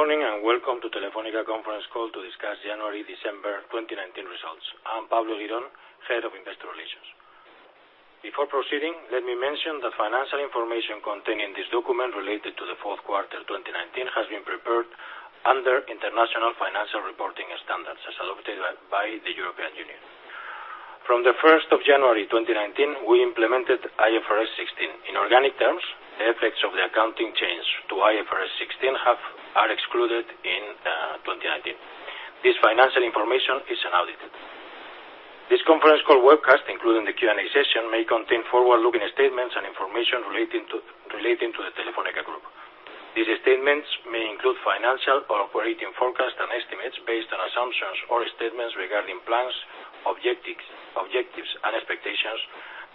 Good morning, and welcome to Telefónica conference call to discuss January-December 2019 results. I'm Pablo Eguirón, Head of Investor Relations. Before proceeding, let me mention that financial information contained in this document related to the fourth quarter 2019 has been prepared under International Financial Reporting Standards as adopted by the European Union. From the January 1st, 2019, we implemented IFRS 16. In organic terms, the effects of the accounting change to IFRS 16 are excluded in 2019. This financial information is unaudited. This conference call webcast, including the Q&A session, may contain forward-looking statements and information relating to the Telefónica Group. These statements may include financial or operating forecasts and estimates based on assumptions or statements regarding plans, objectives, and expectations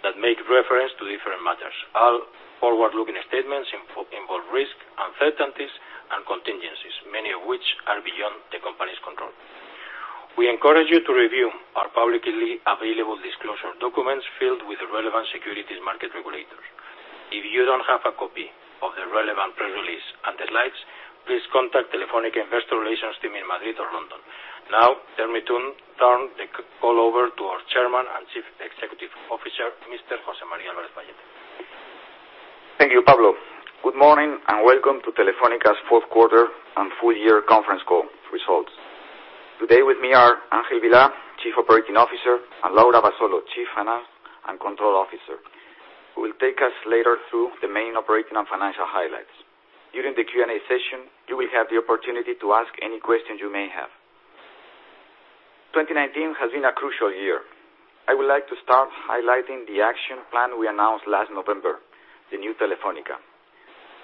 that make reference to different matters. All forward-looking statements involve risks, uncertainties, and contingencies, many of which are beyond the company's control. We encourage you to review our publicly available disclosure documents filed with the relevant securities market regulators. If you don't have a copy of the relevant press release and the slides, please contact Telefónica Investor Relations team in Madrid or London. Let me turn the call over to our Chairman and Chief Executive Officer, Mr. José María Álvarez-Pallete. Thank you, Pablo. Good morning, and welcome to Telefónica's fourth quarter and full year conference call results. Today with me are Ángel Vilá, Chief Operating Officer, and Laura Abasolo, Chief Finance and Control Officer, who will take us later through the main operating and financial highlights. During the Q&A session, you will have the opportunity to ask any questions you may have. 2019 has been a crucial year. I would like to start highlighting the action plan we announced last November, the New Telefónica.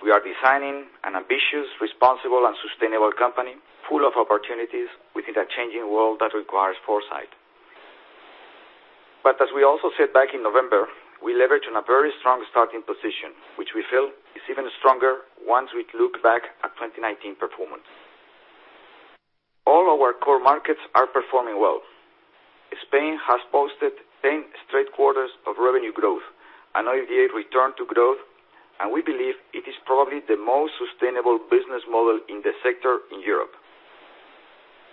We are designing an ambitious, responsible, and sustainable company full of opportunities within a changing world that requires foresight. As we also said back in November, we leverage on a very strong starting position, which we feel is even stronger once we look back at 2019 performance. All our core markets are performing well. Spain has posted 10 straight quarters of revenue growth and OIBDA return to growth. We believe it is probably the most sustainable business model in the sector in Europe.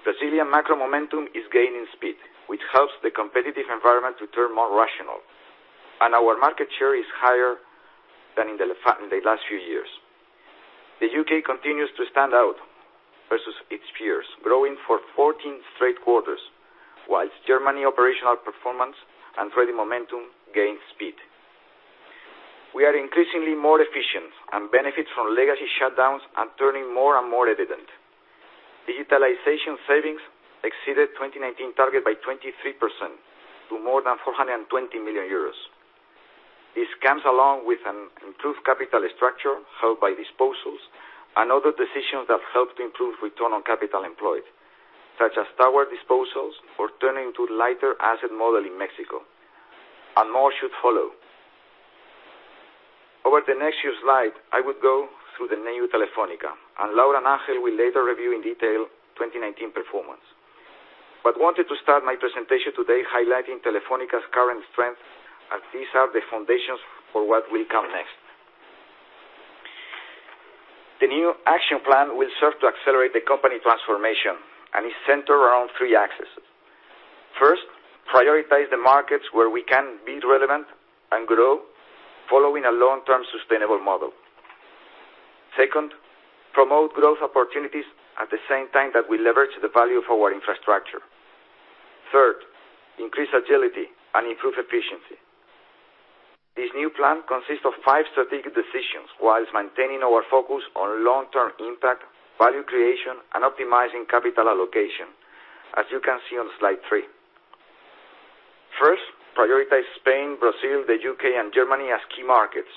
Brazilian macro momentum is gaining speed, which helps the competitive environment to turn more rational. Our market share is higher than in the last few years. The U.K. continues to stand out versus its peers, growing for 14 straight quarters, whilst Germany operational performance and trading momentum gain speed. We are increasingly more efficient. Benefits from legacy shutdowns are turning more and more evident. Digitalization savings exceeded 2019 target by 23% to more than 420 million euros. This comes along with an improved capital structure helped by disposals and other decisions that help to improve return on capital employed, such as tower disposals or turning to lighter asset model in Mexico. More should follow. Over the next few slides, I will go through the New Telefónica, and Laura and Ángel will later review in detail 2019 performance. Wanted to start my presentation today highlighting Telefónica's current strengths, as these are the foundations for what will come next. The new action plan will serve to accelerate the company transformation and is centered around three axes. First, prioritize the markets where we can be relevant and grow following a long-term sustainable model. Second, promote growth opportunities at the same time that we leverage the value of our infrastructure. Third, increase agility and improve efficiency. This new plan consists of five strategic decisions whilst maintaining our focus on long-term impact, value creation, and optimizing capital allocation, as you can see on slide three. First, prioritize Spain, Brazil, the U.K., and Germany as key markets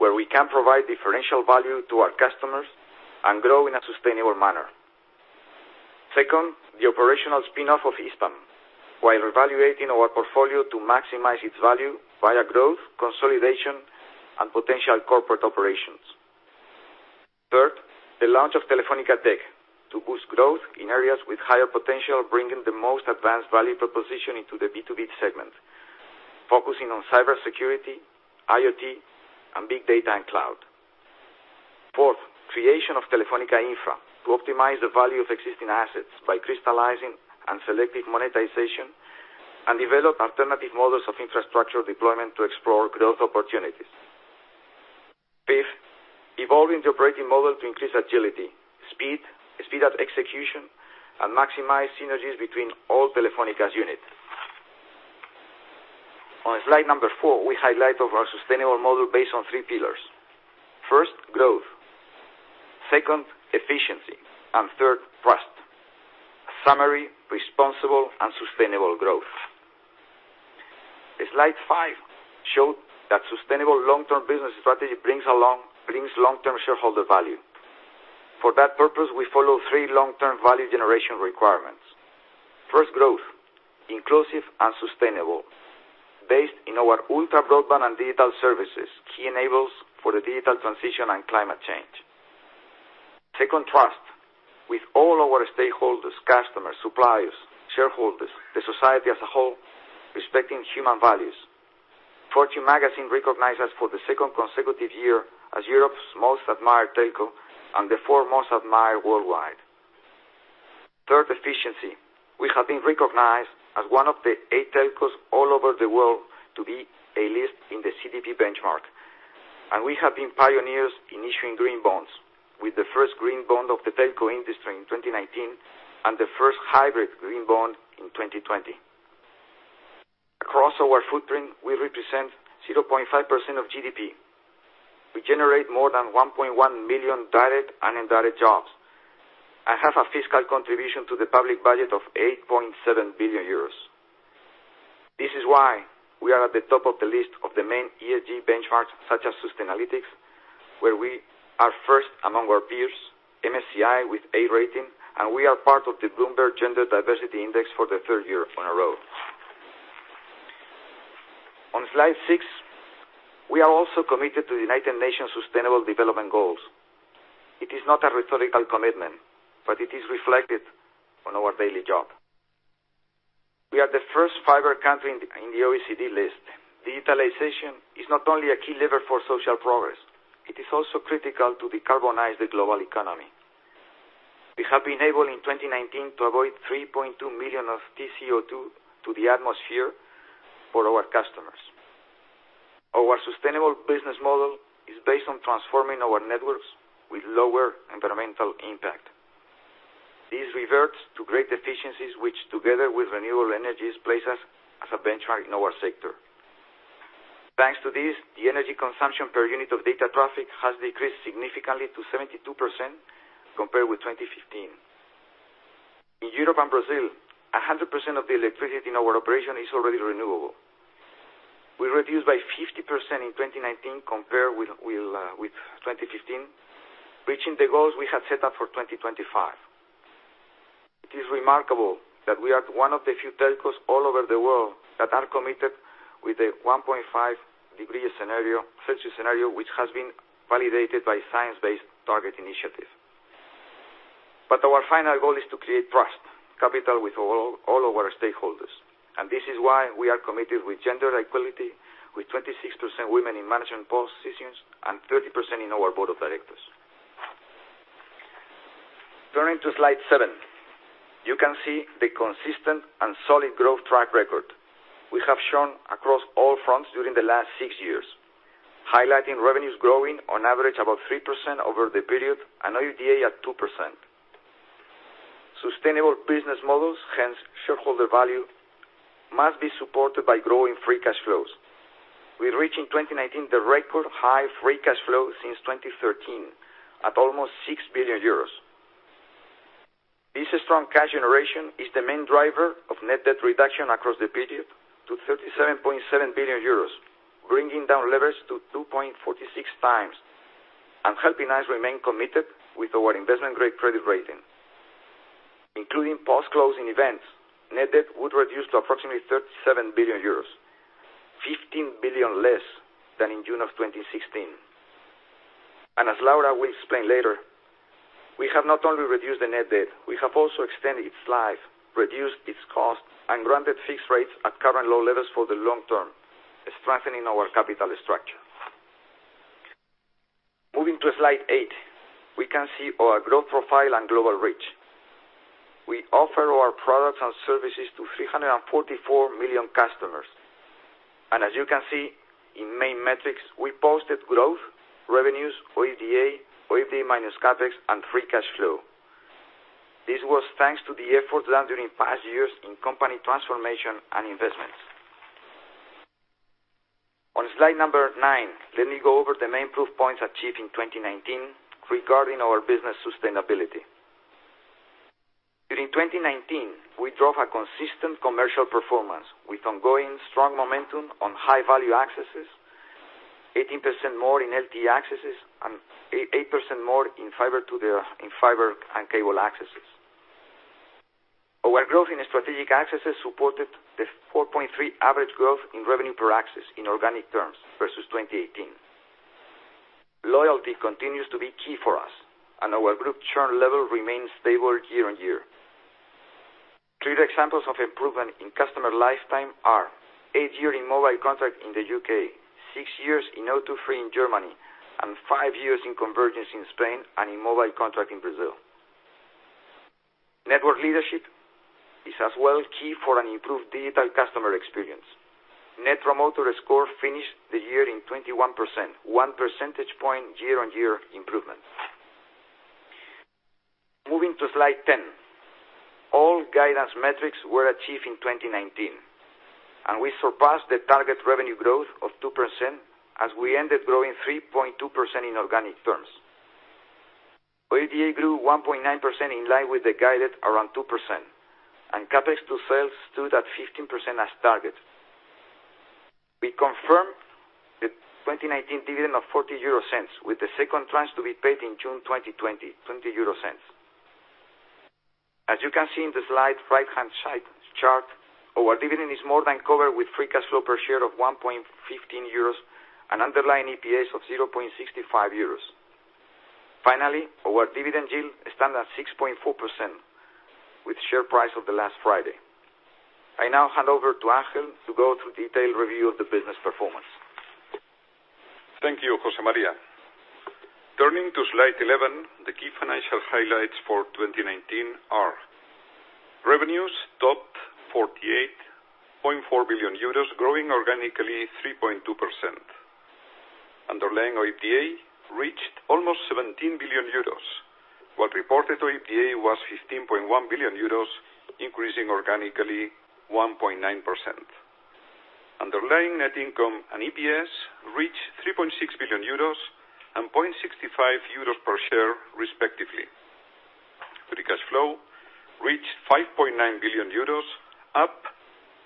where we can provide differential value to our customers and grow in a sustainable manner. Second, the operational spin-off of Hispam, while evaluating our portfolio to maximize its value via growth, consolidation, and potential corporate operations. Third, the launch of Telefónica Tech to boost growth in areas with higher potential, bringing the most advanced value proposition into the B2B segment, focusing on cybersecurity, IoT, and Big Data and cloud. Fourth, creation of Telefónica Infra to optimize the value of existing assets by crystallizing and selective monetization and develop alternative models of infrastructure deployment to explore growth opportunities. Fifth, evolving the operating model to increase agility, speed of execution, and maximize synergies between all Telefónica's units. On slide number four, we highlight our sustainable model based on three pillars. First, growth. Second, efficiency, Third, trust. A summary, responsible, and sustainable growth. Slide five shows that sustainable long-term business strategy brings long-term shareholder value. For that purpose, we follow three long-term value generation requirements. First, growth, inclusive and sustainable, based in our ultra broadband and digital services, key enablers for the digital transition and climate change. Second, trust with all our stakeholders, customers, suppliers, shareholders, the society as a whole, respecting human values. Fortune Magazine recognized us for the second consecutive year as Europe's most admired telco and the fourth most admired worldwide. Third, efficiency. We have been recognized as one of the eight telcos all over the world to be A-List in the CDP benchmark, and we have been pioneers in issuing green bonds, with the first green bond of the telco industry in 2019 and the first hybrid green bond in 2020. Across our footprint, we represent 0.5% of GDP. We generate more than 1.1 million direct and indirect jobs and have a fiscal contribution to the public budget of 8.7 billion euros. This is why we are at the top of the list of the main ESG benchmarks, such as Sustainalytics, where we are first among our peers, MSCI with A rating, and we are part of the Bloomberg Gender-Equality Index for the third year in a row. On slide six, we are also committed to the United Nations Sustainable Development Goals. It is not a rhetorical commitment, but it is reflected on our daily job. We are the first fiber country in the OECD list. Digitalization is not only a key lever for social progress, it is also critical to decarbonize the global economy. We have been able, in 2019, to avoid 3.2 million of TCO2 to the atmosphere for our customers. Our sustainable business model is based on transforming our networks with lower environmental impact. This reverts to great efficiencies, which together with renewable energies, place us as a benchmark in our sector. Thanks to this, the energy consumption per unit of data traffic has decreased significantly to 72% compared with 2015. In Europe and Brazil, 100% of the electricity in our operation is already renewable. We reduced by 50% in 2019 compared with 2015, reaching the goals we had set up for 2025. It is remarkable that we are one of the few telcos all over the world that are committed with a 1.5 degrees Celsius scenario, which has been validated by science-based target initiatives. But our final goal is to create trust capital with all our stakeholders. This is why we are committed with gender equality, with 26% women in management positions and 30% in our board of directors. Turning to slide seven, you can see the consistent and solid growth track record we have shown across all fronts during the last six years, highlighting revenues growing on average about 3% over the period and OIBDA at 2%. Sustainable business models, hence shareholder value, must be supported by growing free cash flows. We reach, in 2019, the record high free cash flow since 2013, at almost 6 billion euros. This strong cash generation is the main driver of net debt reduction across the period to 37.7 billion euros, bringing down levers to 2.46x and helping us remain committed with our investment-grade credit rating. Including post-closing events, net debt would reduce to approximately 37 billion euros, 15 billion less than in June of 2016. As Laura will explain later, we have not only reduced the net debt, we have also extended its life, reduced its cost, and granted fixed rates at current low levels for the long term, strengthening our capital structure. Moving to slide eight, we can see our growth profile and global reach. We offer our products and services to 344 million customers. As you can see in main metrics, we posted growth revenues, OIBDA minus CapEx, and free cash flow. This was thanks to the effort done during past years in company transformation and investments. On slide number nine, let me go over the main proof points achieved in 2019 regarding our business sustainability. During 2019, we drove a consistent commercial performance with ongoing strong momentum on high-value accesses, 18% more in LTE accesses, and 8% more in fiber and cable accesses. Our growth in strategic accesses supported the 4.3% average growth in revenue per access in organic terms versus 2018. Loyalty continues to be key for us. Our group churn level remains stable year-over-year. Clear examples of improvement in customer lifetime are eight years in mobile contract in the U.K., six years in O2 Free in Germany, and five years in convergence in Spain and in mobile contract in Brazil. Network leadership is as well key for an improved digital customer experience. Net Promoter Score finished the year in 21%, 1 percentage point year-over-year improvement. Moving to slide 10. All guidance metrics were achieved in 2019. We surpassed the target revenue growth of 2% as we ended growing 3.2% in organic terms. OIBDA grew 1.9% in line with the guided around 2%. CapEx to sales stood at 15% as targeted. We confirm the 2019 dividend of 0.40, with the second tranche to be paid in June 2020, 0.20. As you can see in the slide right hand side chart, our dividend is more than covered with free cash flow per share of 1.15 euros and underlying EPS of 0.65 euros. Finally, our dividend yield stands at 6.4%, with share price of the last Friday. I now hand over to Ángel to go through detailed review of the business performance. Thank you, José María. Turning to slide 11, the key financial highlights for 2019 are: revenues topped 48.4 billion euros, growing organically 3.2%. Underlying OIBDA reached almost 17 billion euros, while reported OIBDA was 15.1 billion euros, increasing organically 1.9%. Underlying net income and EPS reached 3.6 billion euros and 0.65 euros per share, respectively. Free cash flow reached 5.9 billion euros, up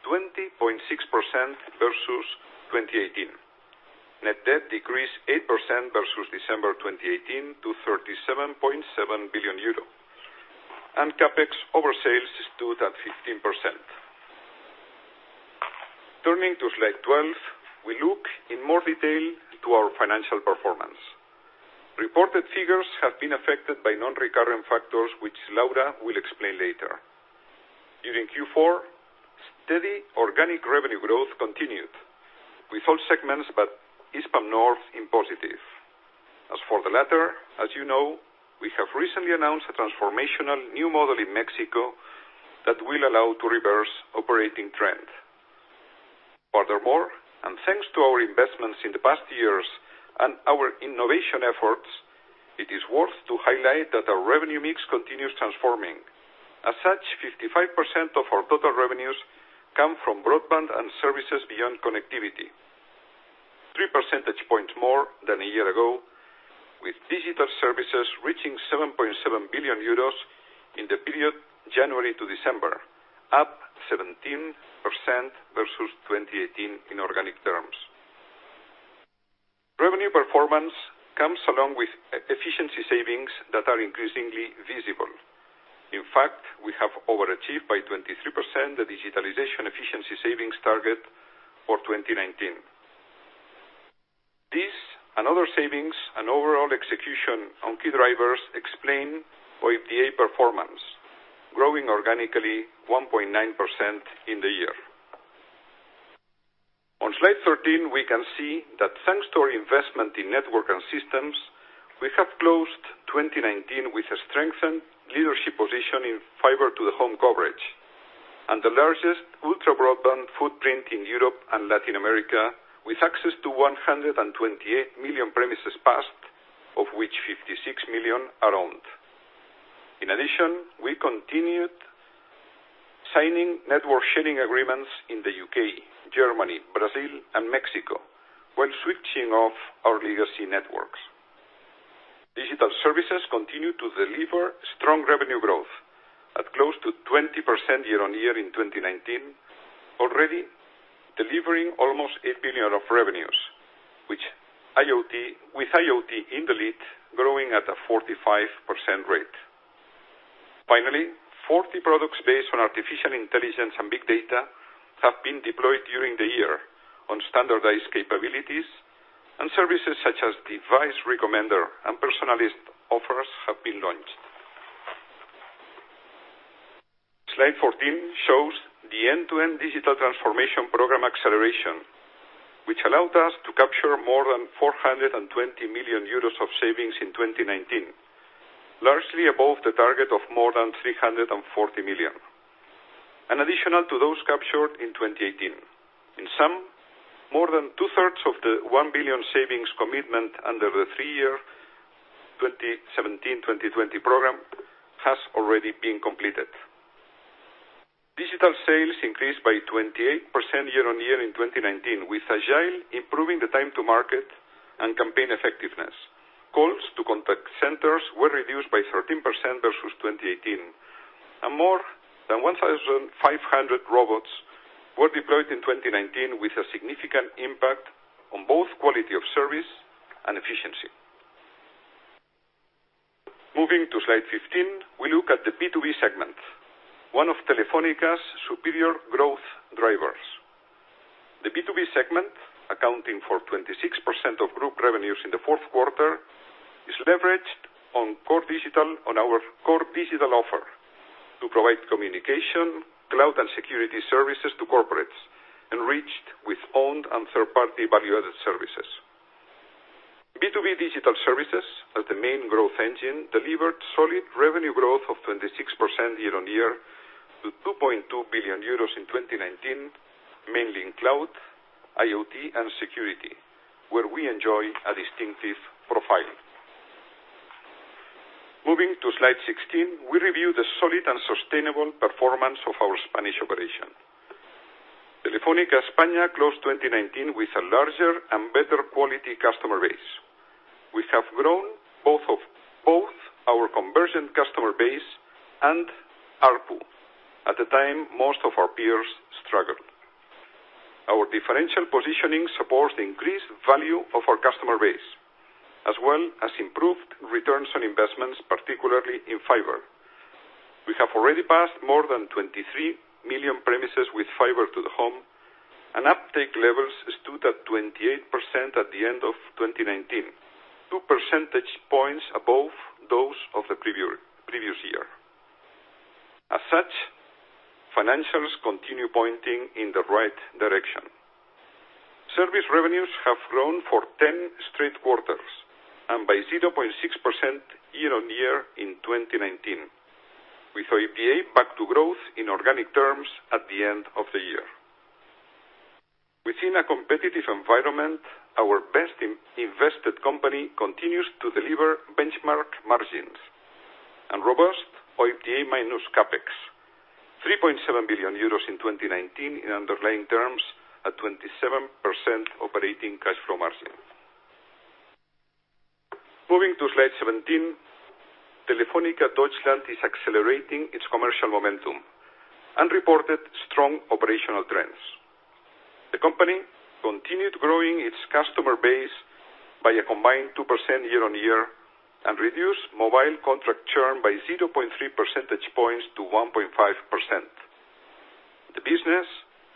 20.6% versus 2018. Net debt decreased 8% versus December 2018 to 37.7 billion euro. CapEx over sales stood at 15%. Turning to slide 12, we look in more detail to our financial performance. Reported figures have been affected by non-recurring factors, which Laura will explain later. During Q4, steady organic revenue growth continued with all segments, but Hispam in positive. For the latter, as you know, we have recently announced a transformational new model in México that will allow to reverse operating trend. Furthermore, thanks to our investments in the past years and our innovation efforts, it is worth to highlight that our revenue mix continues transforming. As such, 55% of our total revenues come from broadband and services beyond connectivity. 3 percentage points more than a year ago, with digital services reaching 7.7 billion euros in the period January to December, up 17% versus 2018 in organic terms. Revenue performance comes along with efficiency savings that are increasingly visible. In fact, we have overachieved by 23% the digitalization efficiency savings target for 2019. This, and other savings and overall execution on key drivers explain OIBDA performance, growing organically 1.9% in the year. On slide 13, we can see that thanks to our investment in network and systems, we have closed 2019 with a strengthened leadership position in fiber to the home coverage, and the largest ultra-broadband footprint in Europe and Latin America, with access to 128 million premises passed, of which 56 million are owned. In addition, we continued signing network sharing agreements in the U.K., Germany, Brazil, and Mexico while switching off our legacy networks. Digital services continue to deliver strong revenue growth at close to 20% year-on-year in 2019. Already delivering almost 1 billion of revenues, with IoT in the lead, growing at a 45% rate. Finally, 40 products based on artificial intelligence and big data have been deployed during the year on standardized capabilities, and services such as device recommender and personalized offers have been launched. Slide 14 shows the end-to-end digital transformation program acceleration, which allowed us to capture more than 420 million euros of savings in 2019, largely above the target of more than 340 million, in addition to those captured in 2018. In sum, more than two-thirds of the 1 billion savings commitment under the three-year 2017-2020 program has already been completed. Digital sales increased by 28% year-on-year in 2019, with Agile improving the time to market and campaign effectiveness. Calls to contact centers were reduced by 13% versus 2018, and more than 1,500 robots were deployed in 2019, with a significant impact on both quality of service and efficiency. Moving to slide 15, we look at the B2B segment, one of Telefónica's superior growth drivers. The B2B segment, accounting for 26% of group revenues in the fourth quarter, is leveraged on our core digital offer to provide communication, cloud, and security services to corporates, enriched with owned and third-party value-added services. B2B digital services, as the main growth engine, delivered solid revenue growth of 26% year-on-year to 2.2 billion euros in 2019, mainly in cloud, IoT, and security, where we enjoy a distinctive profile. Moving to slide 16, we review the solid and sustainable performance of our Spanish operation. Telefónica España closed 2019 with a larger and better quality customer base. We have grown both our conversion customer base and ARPU at the time most of our peers struggled. Our differential positioning supports the increased value of our customer base, as well as improved returns on investments, particularly in fiber. We have already passed more than 23 million premises with fiber to the home, and uptake levels stood at 28% at the end of 2019, two percentage points above those of the previous year. As such, financials continue pointing in the right direction. Service revenues have grown for 10 straight quarters and by 0.6% year-on-year in 2019, with OIBDA back to growth in organic terms at the end of the year. Within a competitive environment, our best-invested company continues to deliver benchmark margins and robust OIBDA minus CapEx, 3.7 billion euros in 2019 in underlying terms, a 27% operating cash flow margin. Moving to Slide 17, Telefónica Deutschland is accelerating its commercial momentum and reported strong operational trends. The company continued growing its customer base by a combined 2% year-on-year and reduced mobile contract churn by 0.3 percentage points to 1.5%. The business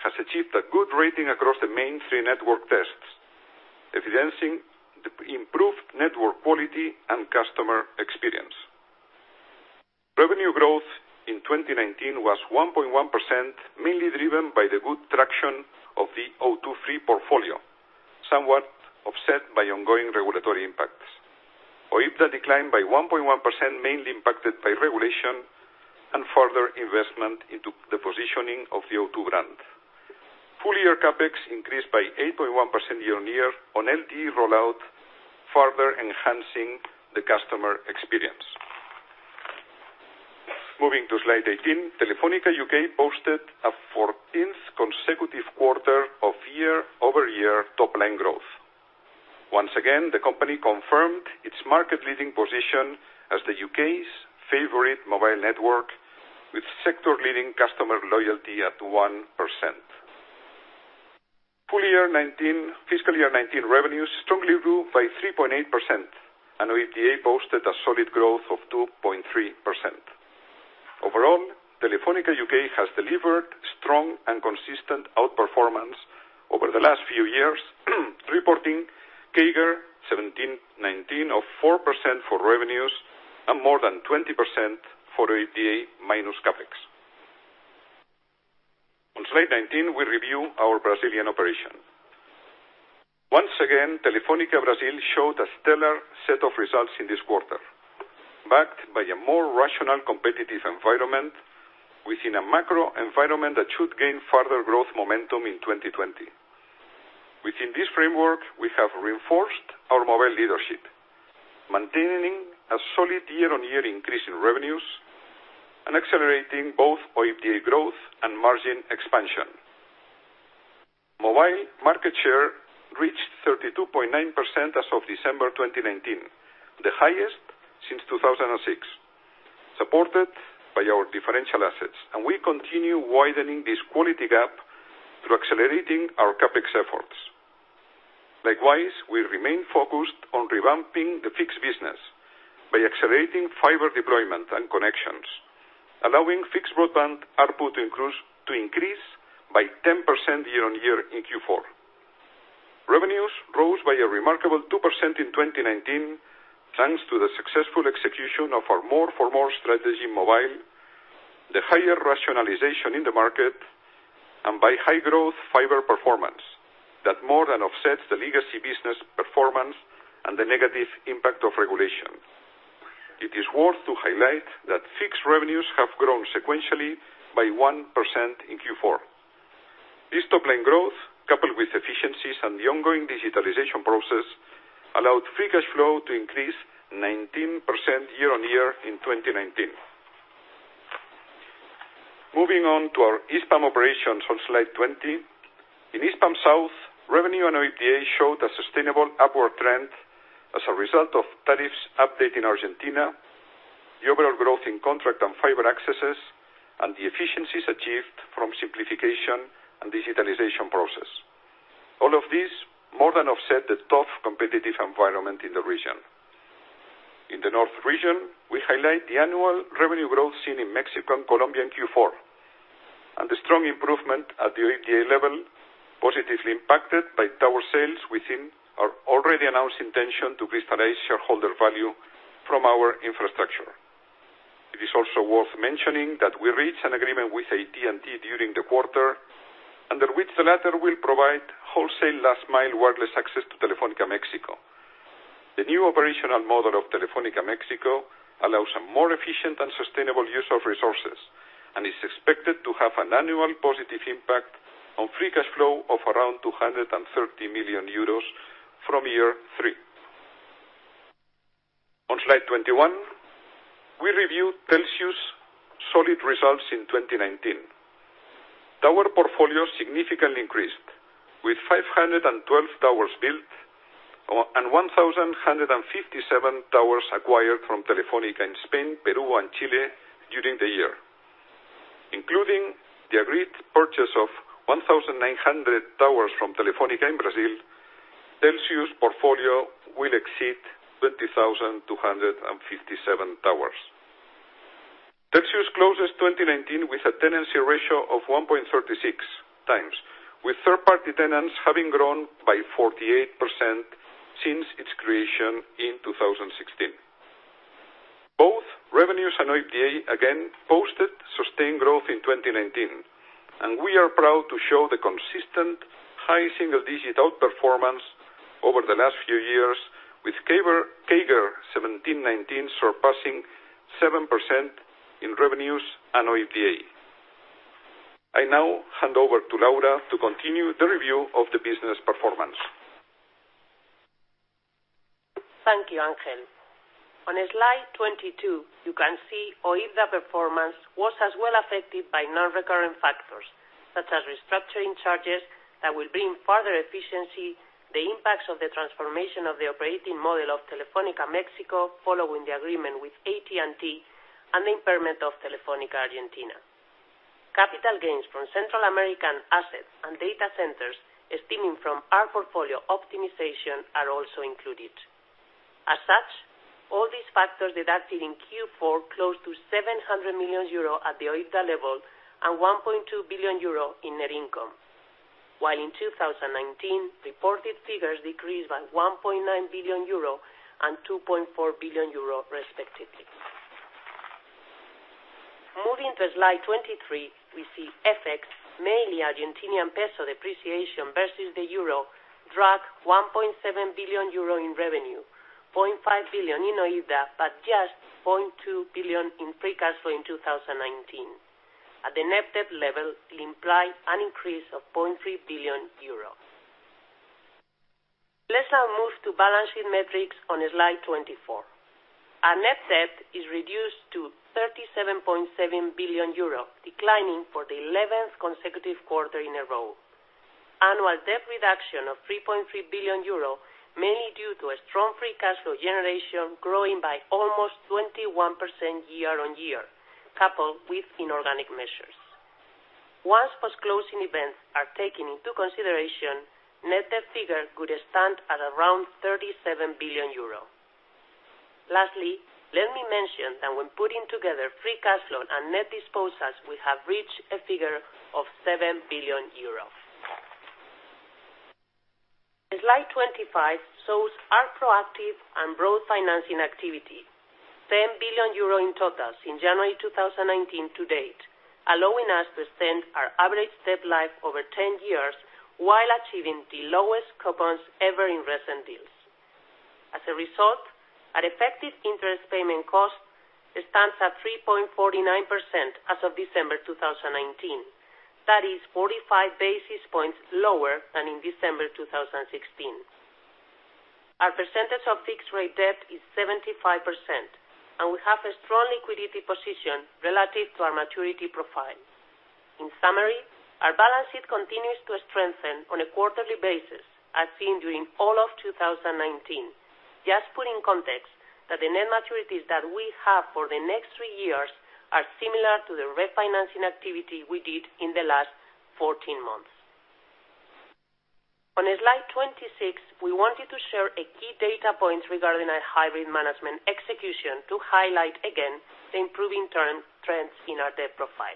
has achieved a good rating across the main three network tests, evidencing the improved network quality and customer experience. Revenue growth in 2019 was 1.1%, mainly driven by the good traction of the O2 Free portfolio, somewhat offset by ongoing regulatory impacts. OIBDA declined by 1.1%, mainly impacted by regulation and further investment into the positioning of the O2 brand. Full year CapEx increased by 8.1% year-on-year on LTE rollout, further enhancing the customer experience. Moving to Slide 18, Telefónica UK posted a 14th consecutive quarter of year-over-year top-line growth. Once again, the company confirmed its market-leading position as the U.K.'s favorite mobile network with sector-leading customer loyalty at 1%. Full year 2019, fiscal year 2019 revenues strongly grew by 3.8%, and OIBDA posted a solid growth of 2.3%. Overall, Telefónica UK has delivered strong and consistent outperformance over the last few years, reporting CAGR 2017/2019 of 4% for revenues and more than 20% for OIBDA minus CapEx. On Slide 19, we review our Brazilian operation. Once again, Telefônica Brasil showed a stellar set of results in this quarter, backed by a more rational competitive environment within a macro environment that should gain further growth momentum in 2020. Within this framework, we have reinforced our mobile leadership, maintaining a solid year-on-year increase in revenues and accelerating both OIBDA growth and margin expansion. Mobile market share reached 32.9% as of December 2019, the highest since 2006, supported by our differential assets. We continue widening this quality gap through accelerating our CapEx efforts. Likewise, we remain focused on revamping the fixed business by accelerating fiber deployment and connections, allowing fixed broadband output to increase by 10% year-on-year in Q4. Revenues rose by a remarkable 2% in 2019, thanks to the successful execution of our more for more strategy mobile, the higher rationalization in the market, and by high-growth fiber performance that more than offsets the legacy business performance and the negative impact of regulation. It is worth to highlight that fixed revenues have grown sequentially by 1% in Q4. This top-line growth, coupled with efficiencies and the ongoing digitalization process, allowed free cash flow to increase 19% year-on-year in 2019. Moving on to our Hispam operations on Slide 20. In Hispam South, revenue and OIBDA showed a sustainable upward trend as a result of tariffs update in Argentina, the overall growth in contract and fiber accesses, and the efficiencies achieved from simplification and digitalization process. All of this more than offset the tough competitive environment in the region. In the North region, we highlight the annual revenue growth seen in México and Colombia in Q4, and the strong improvement at the OIBDA level positively impacted by tower sales within our already announced intention to crystallize shareholder value from our infrastructure. It is also worth mentioning that we reached an agreement with AT&T during the quarter, under which the latter will provide wholesale last mile wireless access to Telefónica México. The new operational model of Telefónica México allows a more efficient and sustainable use of resources and is expected to have an annual positive impact on free cash flow of around 230 million euros from year three. On Slide 21, we review Telxius' solid results in 2019. Tower portfolio significantly increased, with 512 towers built and 1,157 towers acquired from Telefónica in Spain, Peru, and Chile during the year. Including the agreed purchase of 1,900 towers from Telefónica in Brazil, Telxius portfolio will exceed 20,257 towers. Telxius closes 2019 with a tenancy ratio of 1.36x, with third-party tenants having grown by 48% since its creation in 2016. Both revenues and OIBDA again posted sustained growth in 2019, and we are proud to show the consistent high single-digit outperformance over the last few years with CAGR 2017/2019 surpassing 7% in revenues and OIBDA. I now hand over to Laura to continue the review of the business performance. Thank you, Ángel. On slide 22, you can see OIBDA performance was as well affected by non-recurrent factors, such as restructuring charges that will bring further efficiency, the impacts of the transformation of the operating model of Telefónica México following the agreement with AT&T, and the impairment of Telefónica Argentina. Capital gains from Central American assets and data centers stemming from our portfolio optimization are also included. All these factors resulted in Q4 close to 700 million euro at the OIBDA level and 1.2 billion euro in net income. In 2019, reported figures decreased by 1.9 billion euro and 2.4 billion euro respectively. Moving to slide 23, we see FX, mainly Argentinian peso depreciation versus the Euro, drag 1.7 billion euro in revenue, 0.5 billion in OIBDA, just 0.2 billion in free cash flow in 2019. At the net debt level, it implied an increase of 0.3 billion euros. Let us now move to balance sheet metrics on slide 24. Our net debt is reduced to 37.7 billion euro, declining for the 11th consecutive quarter in a row. Annual debt reduction of 3.3 billion euro, mainly due to a strong free cash flow generation growing by almost 21% year-on-year, coupled with inorganic measures. Once post-closing events are taken into consideration, net debt figure could stand at around 37 billion euro. Lastly, let me mention that when putting together free cash flow and net disposals, we have reached a figure of 7 billion euros. Slide 25 shows our proactive and broad financing activity, 10 billion euro in totals in January 2019 to date, allowing us to extend our average debt life over 10 years while achieving the lowest coupons ever in recent deals. As a result, our effective interest payment cost stands at 3.49% as of December 2019. That is 45 basis points lower than in December 2016. Our percentage of fixed rate debt is 75%, and we have a strong liquidity position relative to our maturity profile. In summary, our balance sheet continues to strengthen on a quarterly basis as seen during all of 2019. Just put in context that the net maturities that we have for the next three years are similar to the refinancing activity we did in the last 14 months. On slide 26, we wanted to share a key data point regarding our hybrid management execution to highlight again the improving trends in our debt profile.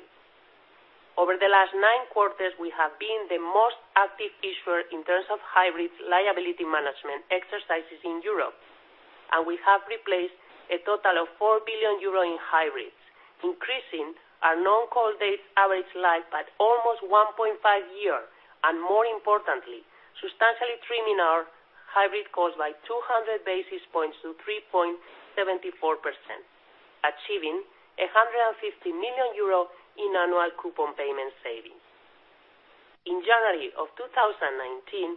Over the last nine quarters, we have been the most active issuer in terms of hybrids liability management exercises in Europe. We have replaced a total of 4 billion euro in hybrids, increasing our non-call date average life by almost 1.5 year. More importantly, substantially trimming our hybrid cost by 200 basis points to 3.74%, achieving 150 million euro in annual coupon payment savings. In January 2020,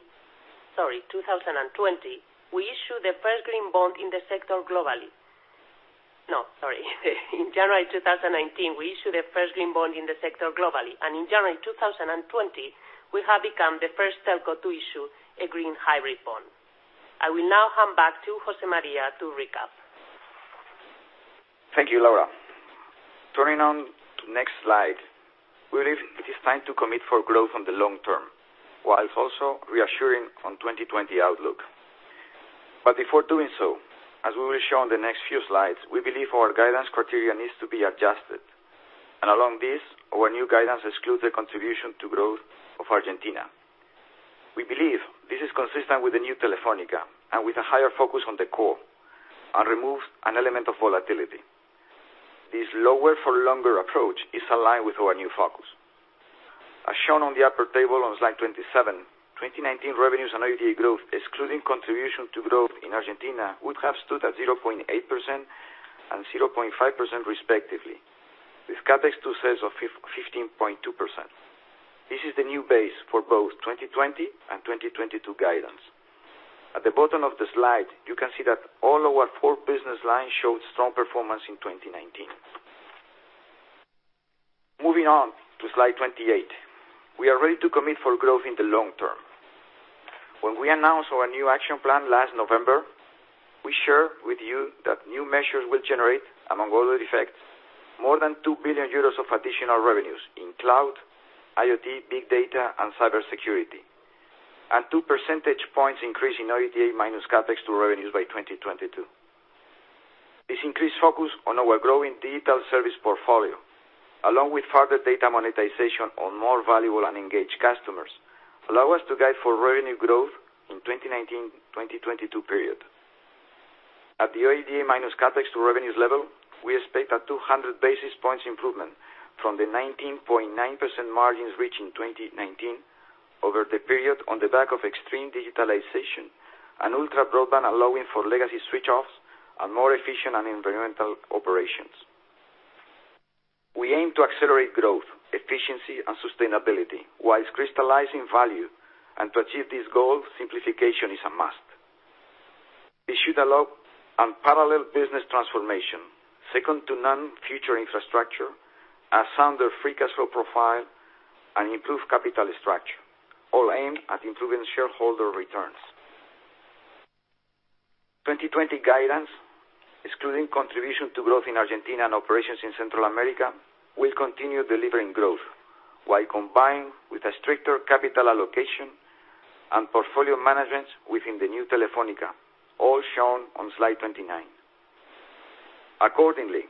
we issued the first green bond in the sector globally. No, sorry. In January 2019, we issued the first green bond in the sector globally. In January 2020, we have become the first telco to issue a green hybrid bond. I will now hand back to José María to recap. Thank you, Laura. Turning on to next slide. We believe it is time to commit for growth on the long term, while also reassuring on 2020 outlook. Before doing so, as we will show on the next few slides, we believe our guidance criteria needs to be adjusted. Along this, our new guidance excludes the contribution to growth of Argentina. We believe this is consistent with the New Telefónica and with a higher focus on the core and removes an element of volatility. This lower-for-longer approach is aligned with our new focus. As shown on the upper table on slide 27, 2019 revenues and OIBDA growth, excluding contribution to growth in Argentina, would have stood at 0.8% and 0.5% respectively, with CapEx to sales of 15.2%. This is the new base for both 2020 and 2022 guidance. At the bottom of the slide, you can see that all our four business lines showed strong performance in 2019. Moving on to slide 28. We are ready to commit for growth in the long term. When we announced our new action plan last November, we shared with you that new measures will generate, among other effects, more than 2 billion euros of additional revenues in cloud, IoT, big data, and cybersecurity, and two percentage points increase in OIBDA minus CapEx to revenues by 2022. This increased focus on our growing digital service portfolio, along with further data monetization on more valuable and engaged customers, allow us to guide for revenue growth in 2019-2022 period. At the OIBDA minus CapEx to revenues level, we expect a 200 basis points improvement from the 19.9% margins reached in 2019 over the period on the back of extreme digitalization and ultra broadband, allowing for legacy switch offs and more efficient and environmental operations. We aim to accelerate growth, efficiency, and sustainability while crystallizing value, and to achieve this goal, simplification is a must. It should allow unparalleled business transformation, second-to-none future infrastructure, a sound free cash flow profile, and improved capital structure, all aimed at improving shareholder returns. 2020 guidance, excluding contribution to growth in Argentina and operations in Central America, will continue delivering growth, while combined with a stricter capital allocation and portfolio management within the New Telefónica, all shown on slide 29. Accordingly,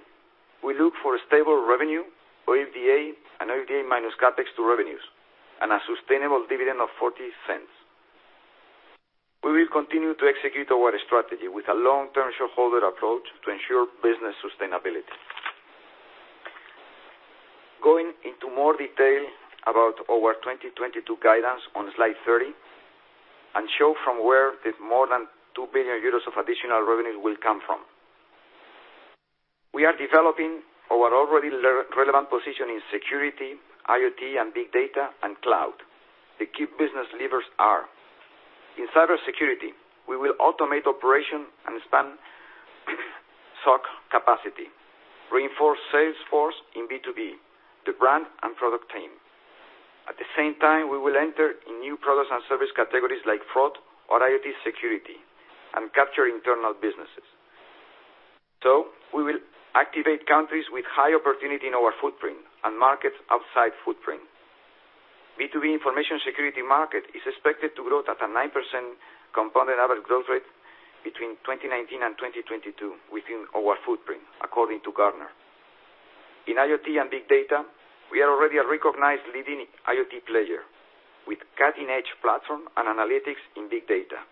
we look for stable revenue, OIBDA, and OIBDA minus CapEx to revenues, and a sustainable dividend of 0.40. We will continue to execute our strategy with a long-term shareholder approach to ensure business sustainability. Going into more detail about our 2022 guidance on Slide 30, and show from where the more than 2 billion euros of additional revenues will come from. We are developing our already relevant position in security, IoT, and Big Data, and Cloud. The key business levers are, in cybersecurity, we will automate operation and expan SOC capacity, reinforce sales force in B2B, the brand and product team. At the same time, we will enter in new products and service categories like fraud or IoT security and capture internal businesses. We will activate countries with high opportunity in our footprint and markets outside footprint. B2B information security market is expected to grow at a 9% compounded average growth rate between 2019 and 2022 within our footprint, according to Gartner. In IoT and big data, we are already a recognized leading IoT player with cutting-edge platform and analytics in big data.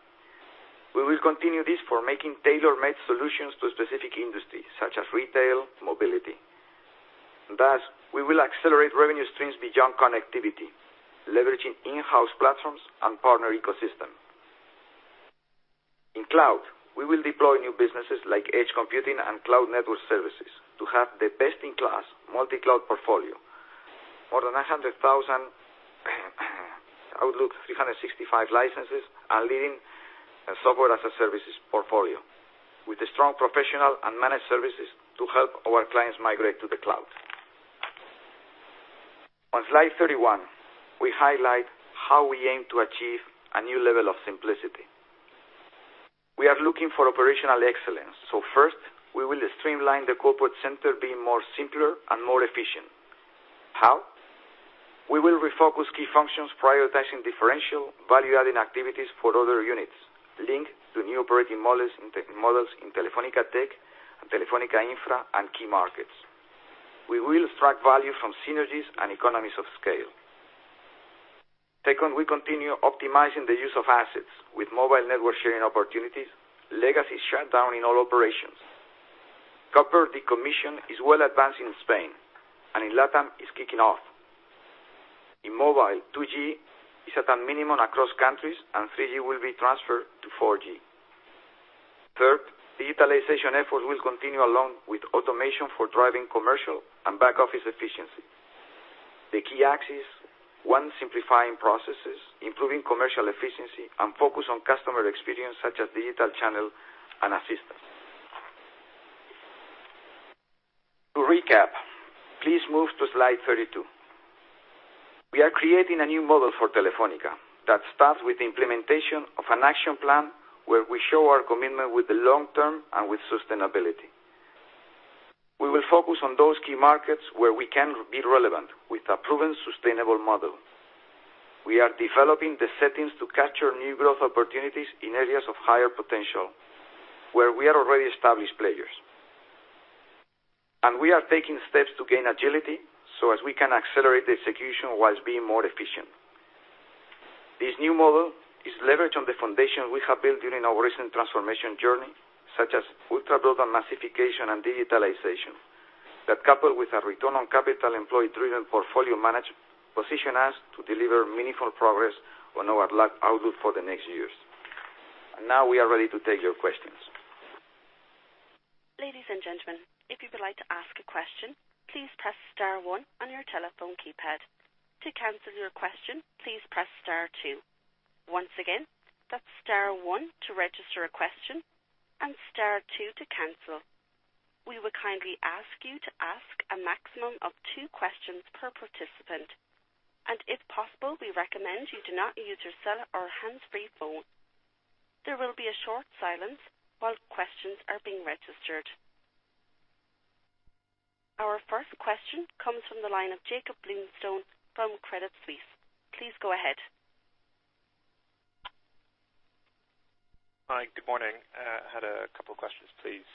We will continue this for making tailor-made solutions to specific industries, such as retail, mobility. Thus, we will accelerate revenue streams beyond connectivity, leveraging in-house platforms and partner ecosystem. In cloud, we will deploy new businesses like edge computing and cloud network services to have the best-in-class multi-cloud portfolio. More than 100,000 Office 365 licenses are leading a Software as a Service portfolio with a strong professional and managed services to help our clients migrate to the cloud. On Slide 31, we highlight how we aim to achieve a new level of simplicity. We are looking for operational excellence. First, we will streamline the corporate center being more simpler and more efficient. How? We will refocus key functions, prioritizing differential value-adding activities for other units linked to new operating models in Telefónica Tech, and Telefónica Infra, and key markets. We will extract value from synergies and economies of scale. Second, we continue optimizing the use of assets with mobile network sharing opportunities, legacy shutdown in all operations. Copper decommission is well advanced in Spain, and in LatAm, it's kicking off. In mobile, 2G is at a minimum across countries, and 3G will be transferred to 4G. Third, digitalization efforts will continue along with automation for driving commercial and back-office efficiency. The key axes, one, simplifying processes, improving commercial efficiency, and focus on customer experience such as digital channel and assistance. To recap, please move to slide 32. We are creating a new model for Telefónica that starts with the implementation of an action plan where we show our commitment with the long term and with sustainability. We will focus on those key markets where we can be relevant with a proven sustainable model. We are developing the settings to capture new growth opportunities in areas of higher potential where we are already established players. We are taking steps to gain agility so as we can accelerate the execution while being more efficient. This new model is leveraged on the foundation we have built during our recent transformation journey, such as ultra broadband massification and digitalization, that coupled with a return on capital employed-driven portfolio management, position us to deliver meaningful progress on our outlook for the next years. Now we are ready to take your questions. Ladies and gentlemen, if you would like to ask a question, please press star one on your telephone keypad. To cancel your question, please press star two. Once again, that's star one to register a question and star two to cancel. We will kindly ask you to ask a maximum of two questions per participant. If possible, we recommend you do not use your cell or hands-free phone. There will be a short silence while questions are being registered. Our first question comes from the line of Jakob Bluestone from Credit Suisse. Please go ahead. Hi. Good morning. I had a couple questions, please.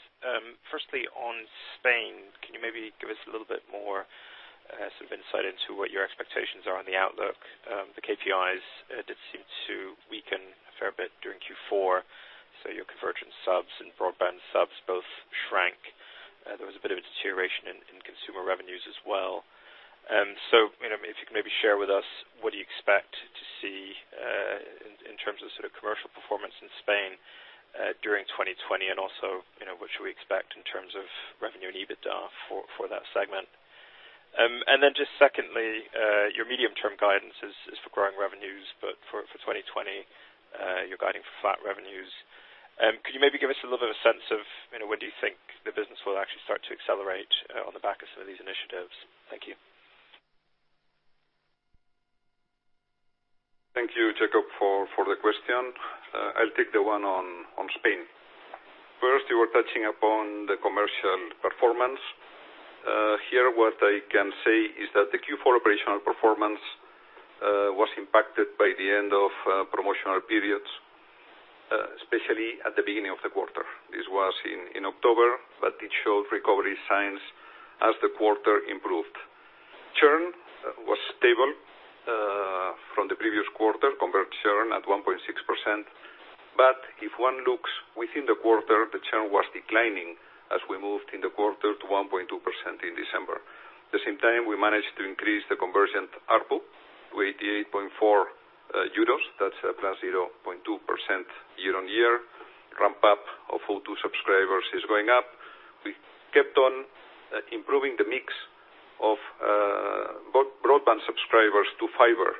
Firstly, on Spain, can you maybe give us a little bit more insight into what your expectations are on the outlook? The KPIs did seem to weaken a fair bit during Q4, so your conversion subs and broadband subs both shrank. There was a bit of a deterioration in consumer revenues as well. If you can maybe share with us, what do you expect to see, in terms of commercial performance in Spain, during 2020? What should we expect in terms of revenue and EBITDA for that segment? Secondly, your medium-term guidance is for growing revenues, but for 2020, you're guiding for flat revenues. Could you maybe give us a little bit of a sense of when do you think the business will actually start to accelerate on the back of some of these initiatives? Thank you. Thank you, Jakob, for the question. I'll take the one on Spain. You were touching upon the commercial performance. Here, what I can say is that the Q4 operational performance was impacted by the end of promotional periods, especially at the beginning of the quarter. This was in October, it showed recovery signs as the quarter improved. Churn was stable, from the previous quarter, conversion churn at 1.6%, if one looks within the quarter, the churn was declining as we moved in the quarter to 1.2% in December. The same time, we managed to increase the conversion ARPU to 88.4 euros. That's a +0.2% year-over-year. Ramp-up of O2 subscribers is going up. We kept on improving the mix of broadband subscribers to fiber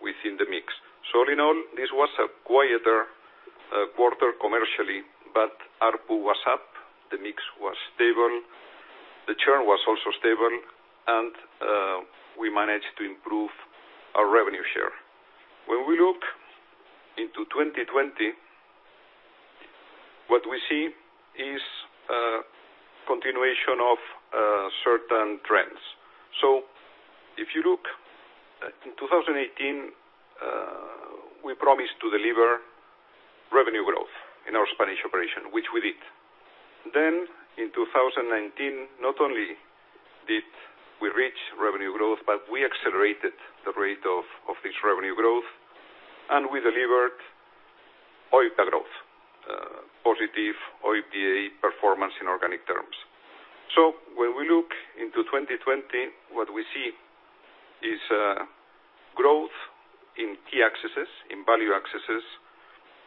within the mix. All in all, this was a quieter quarter commercially, but ARPU was up, the mix was stable, the churn was also stable, and we managed to improve our revenue share. When we look into 2020, what we see is a continuation of certain trends. If you look, in 2018, we promised to deliver revenue growth in our Spanish operation, which we did. In 2019, not only did we reach revenue growth, but we accelerated the rate of this revenue growth, and we delivered OIBDA growth, positive OIBDA performance in organic terms. When we look into 2020, what we see is growth in key accesses, in value accesses.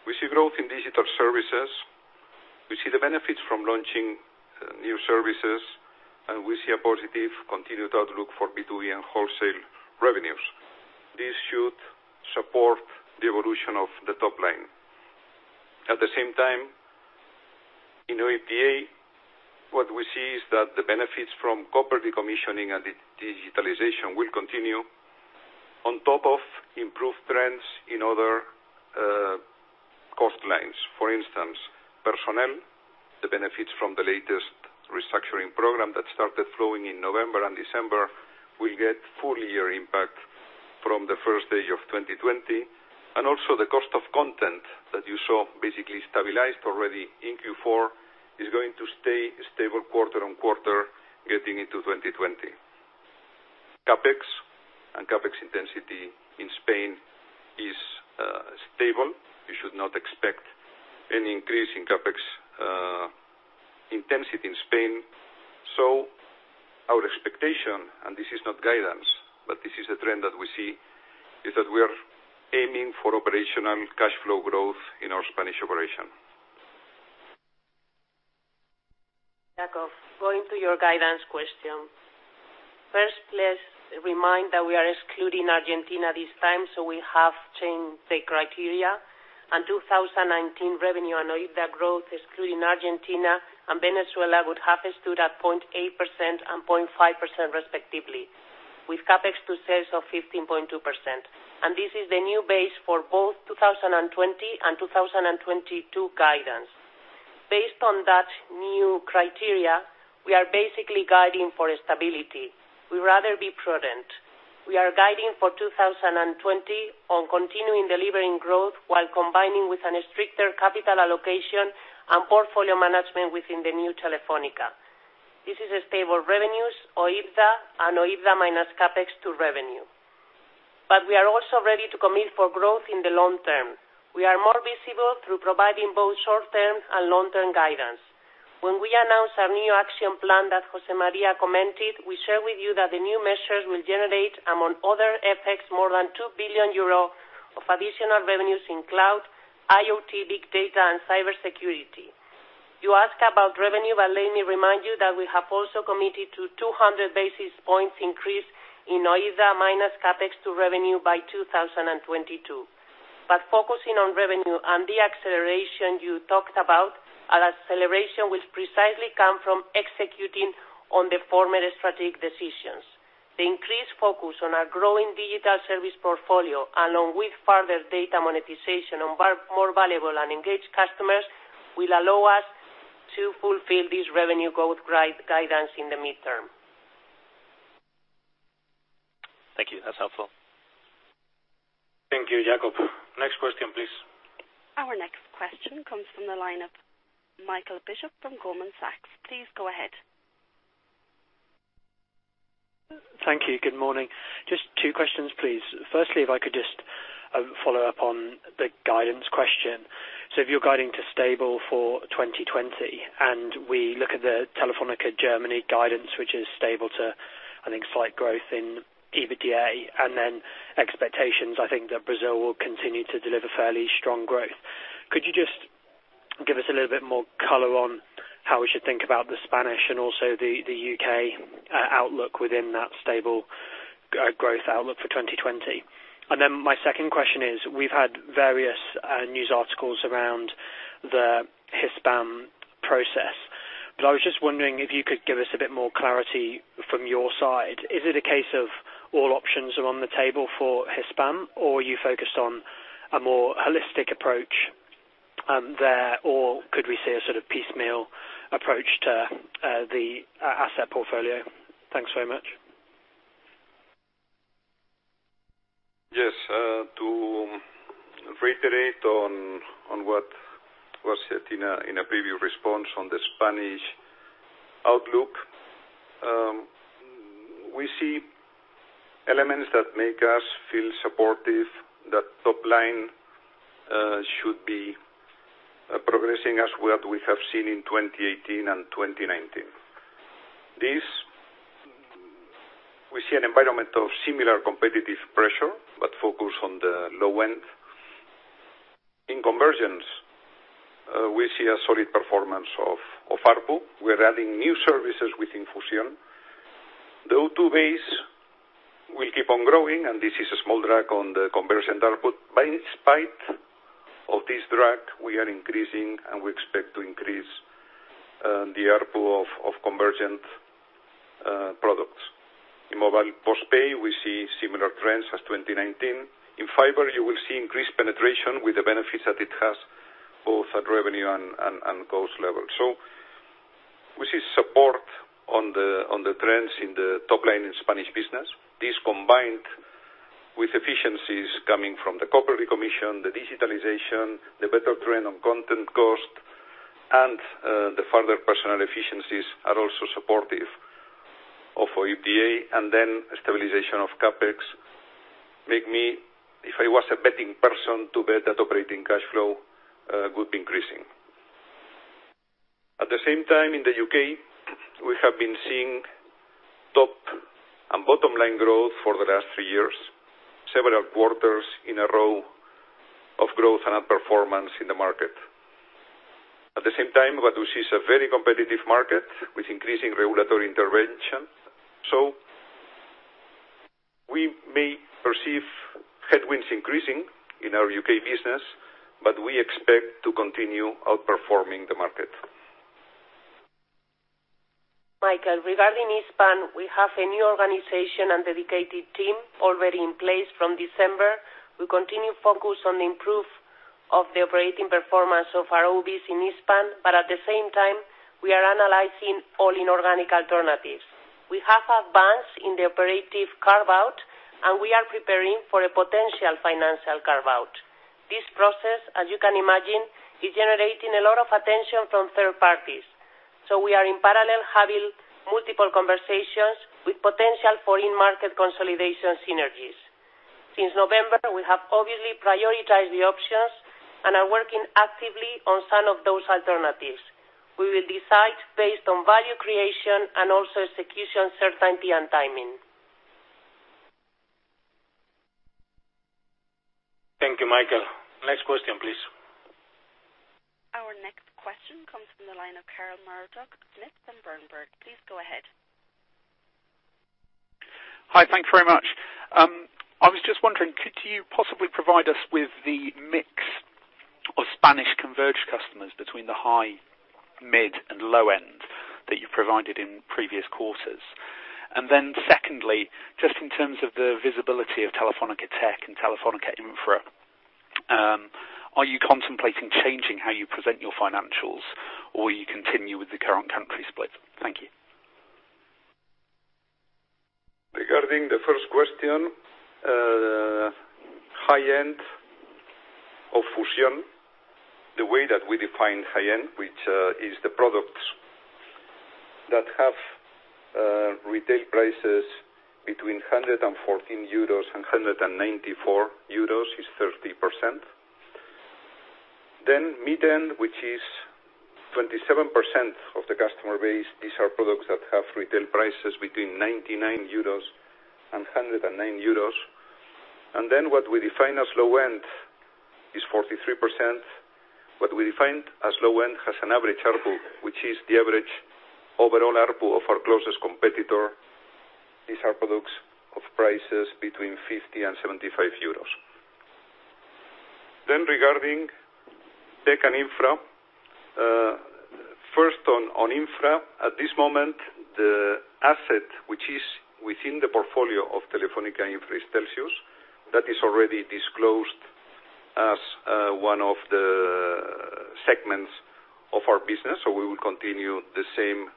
We see growth in digital services. We see the benefits from launching new services, and we see a positive continued outlook for B2B and wholesale revenues. This should support the evolution of the top line. At the same time, in OIBDA, what we see is that the benefits from copper decommissioning and digitalization will continue on top of improved trends in other cost lines. For instance, personnel, the benefits from the latest restructuring program that started flowing in November and December will get full year impact from the first day of 2020. Also the cost of content that you saw basically stabilized already in Q4 is going to stay stable quarter on quarter getting into 2020. CapEx and CapEx intensity in Spain is stable. You should not expect any increase in CapEx intensity in Spain. Our expectation, and this is not guidance, but this is a trend that we see, is that we are aiming for operational cash flow growth in our Spanish operation. Jakob, going to your guidance question. First, let's remind that we are excluding Argentina this time, so we have changed the criteria. 2019 revenue and OIBDA growth excluding Argentina and Venezuela, would have stood at 0.8% and 0.5% respectively, with CapEx to sales of 15.2%. This is the new base for both 2020 and 2022 guidance. Based on that new criteria, we are basically guiding for stability. We'd rather be prudent. We are guiding for 2020 on continuing delivering growth while combining with a stricter capital allocation and portfolio management within the New Telefónica. This is a stable revenues, OIBDA, and OIBDA minus CapEx to revenue. We are also ready to commit for growth in the long term. We are more visible through providing both short-term and long-term guidance. When we announced our New Telefónica action plan that José María commented, we share with you that the new measures will generate, among other effects, more than 2 billion euro of additional revenues in Cloud, IoT, Big Data, and Cybersecurity. You ask about revenue, let me remind you that we have also committed to 200 basis points increase in OIBDA minus CapEx to revenue by 2022. Focusing on revenue and the acceleration you talked about, an acceleration which precisely come from executing on the former strategic decisions. The increased focus on our growing digital service portfolio along with further data monetization on more valuable and engaged customers, will allow us to fulfill this revenue growth guidance in the midterm. Thank you. That's helpful. Thank you, Jakob. Next question, please. Our next question comes from the line of Michael Bishop from Goldman Sachs. Please go ahead. Thank you. Good morning. Just two questions, please. Firstly, if I could just follow up on the guidance question. If you're guiding to stable for 2020, and we look at the Telefónica Deutschland guidance, which is stable to, I think, slight growth in EBITDA, expectations, I think that Brazil will continue to deliver fairly strong growth. Could you just give us a little bit more color on how we should think about the Spanish and also the U.K. outlook within that stable growth outlook for 2020? My second question is, we've had various news articles around the Hispam process, but I was just wondering if you could give us a bit more clarity from your side. Is it a case of all options are on the table for Hispam, or are you focused on a more holistic approach there, or could we see a sort of piecemeal approach to the asset portfolio? Thanks very much. Yes, to reiterate on what was said in a previous response on the Spanish outlook. We see elements that make us feel supportive that top line should be progressing as what we have seen in 2018 and 2019. This, we see an environment of similar competitive pressure, but focused on the low end. In convergence, we see a solid performance of ARPU. We're adding new services within Fusión. The O2 base will keep on growing, and this is a small drag on the convergent ARPU. In spite of this drag, we are increasing and we expect to increase the ARPU of convergent products. In mobile postpaid, we see similar trends as 2019. In fiber, you will see increased penetration with the benefits that it has, both at revenue and cost level. We see support on the trends in the top line in Spanish business. This combined with efficiencies coming from the copper decommission, the digitalization, the better trend on content cost, and the further personal efficiencies are also supportive of EBITDA, and then stabilization of CapEx make me, if I was a betting person, to bet that operating cash flow would be increasing. At the same time, in the U.K., we have been seeing top and bottom line growth for the last three years, several quarters in a row of growth and outperformance in the market. At the same time, what we see is a very competitive market with increasing regulatory intervention. We may perceive headwinds increasing in our U.K. business, but we expect to continue outperforming the market. Michael, regarding Hispam, we have a new organization and dedicated team already in place from December. We continue focus on the improve of the operating performance of our OpCos in Hispam, but at the same time, we are analyzing all inorganic alternatives. We have advanced in the operative carve-out, and we are preparing for a potential financial carve-out. This process, as you can imagine, is generating a lot of attention from third parties. We are in parallel having multiple conversations with potential foreign market consolidation synergies. Since November, we have obviously prioritized the options and are working actively on some of those alternatives. We will decide based on value creation and also execution certainty and timing. Thank you, Michael. Next question, please. Our next question comes from the line of Keval Khiroya, Deutsche Bank. Please go ahead. Hi. Thank you very much. I was just wondering, could you possibly provide us with the mix of Spanish converged customers between the high, mid, and low end that you've provided in previous quarters? Secondly, just in terms of the visibility of Telefónica Tech and Telefónica Infra, are you contemplating changing how you present your financials, or you continue with the current country split? Thank you. Regarding the first question, high-end of Fusión, the way that we define high-end, which is the products that have retail prices between 114 euros and 194 euros, is 30%. Mid-end, which is 27% of the customer base. These are products that have retail prices between 99 euros and 109 euros. What we define as low end is 43%. What we define as low end has an average ARPU, which is the average overall ARPU of our closest competitor. These are products of prices between 50 and 75 euros. Regarding tech and infra. First on infra, at this moment, the asset, which is within the portfolio of Telefónica Infra is Telxius, that is already disclosed as one of the segments of our business. We will continue the same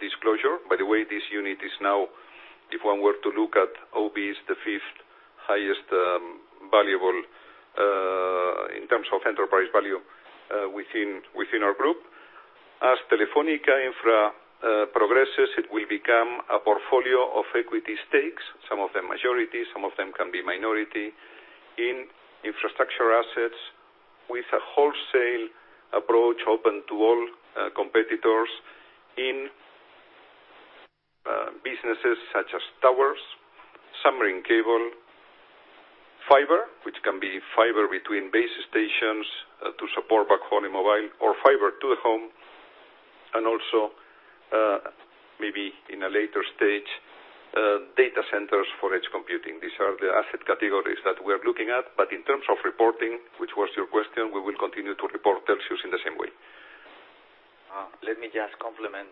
disclosure. This unit is now, if one were to look at OpCos, the fifth highest valuable in terms of enterprise value within our group. As Telefónica Infra progresses, it will become a portfolio of equity stakes, some of them majority, some of them can be minority, in infrastructure assets with a wholesale approach open to all competitors in businesses such as towers, submarine cable, fiber, which can be fiber between base stations to support backhauling mobile, or fiber to the home, and also, maybe in a later stage, data centers for edge computing. These are the asset categories that we are looking at. In terms of reporting, which was your question, we will continue to report Telxius in the same way. Let me just complement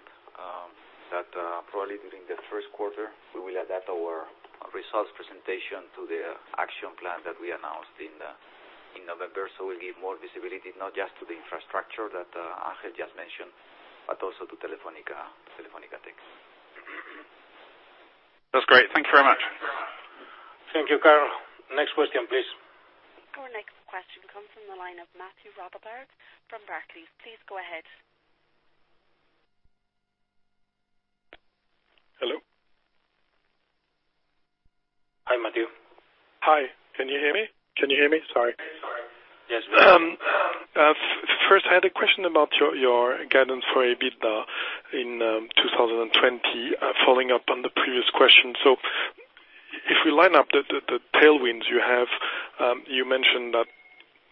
that probably during the first quarter, we will adapt our results presentation to the action plan that we announced in November. We'll give more visibility, not just to the infrastructure that Ángel just mentioned, but also to Telefónica Tech. That's great. Thank you very much. Thank you, Keval. Next question, please. Our next question comes from the line of Mathieu Robilliard from Barclays. Please go ahead. Hello? Hi, Mathieu. Hi, can you hear me? Sorry. Yes. First, I had a question about your guidance for EBITDA in 2020, following up on the previous question. If we line up the tailwinds you have, you mentioned that,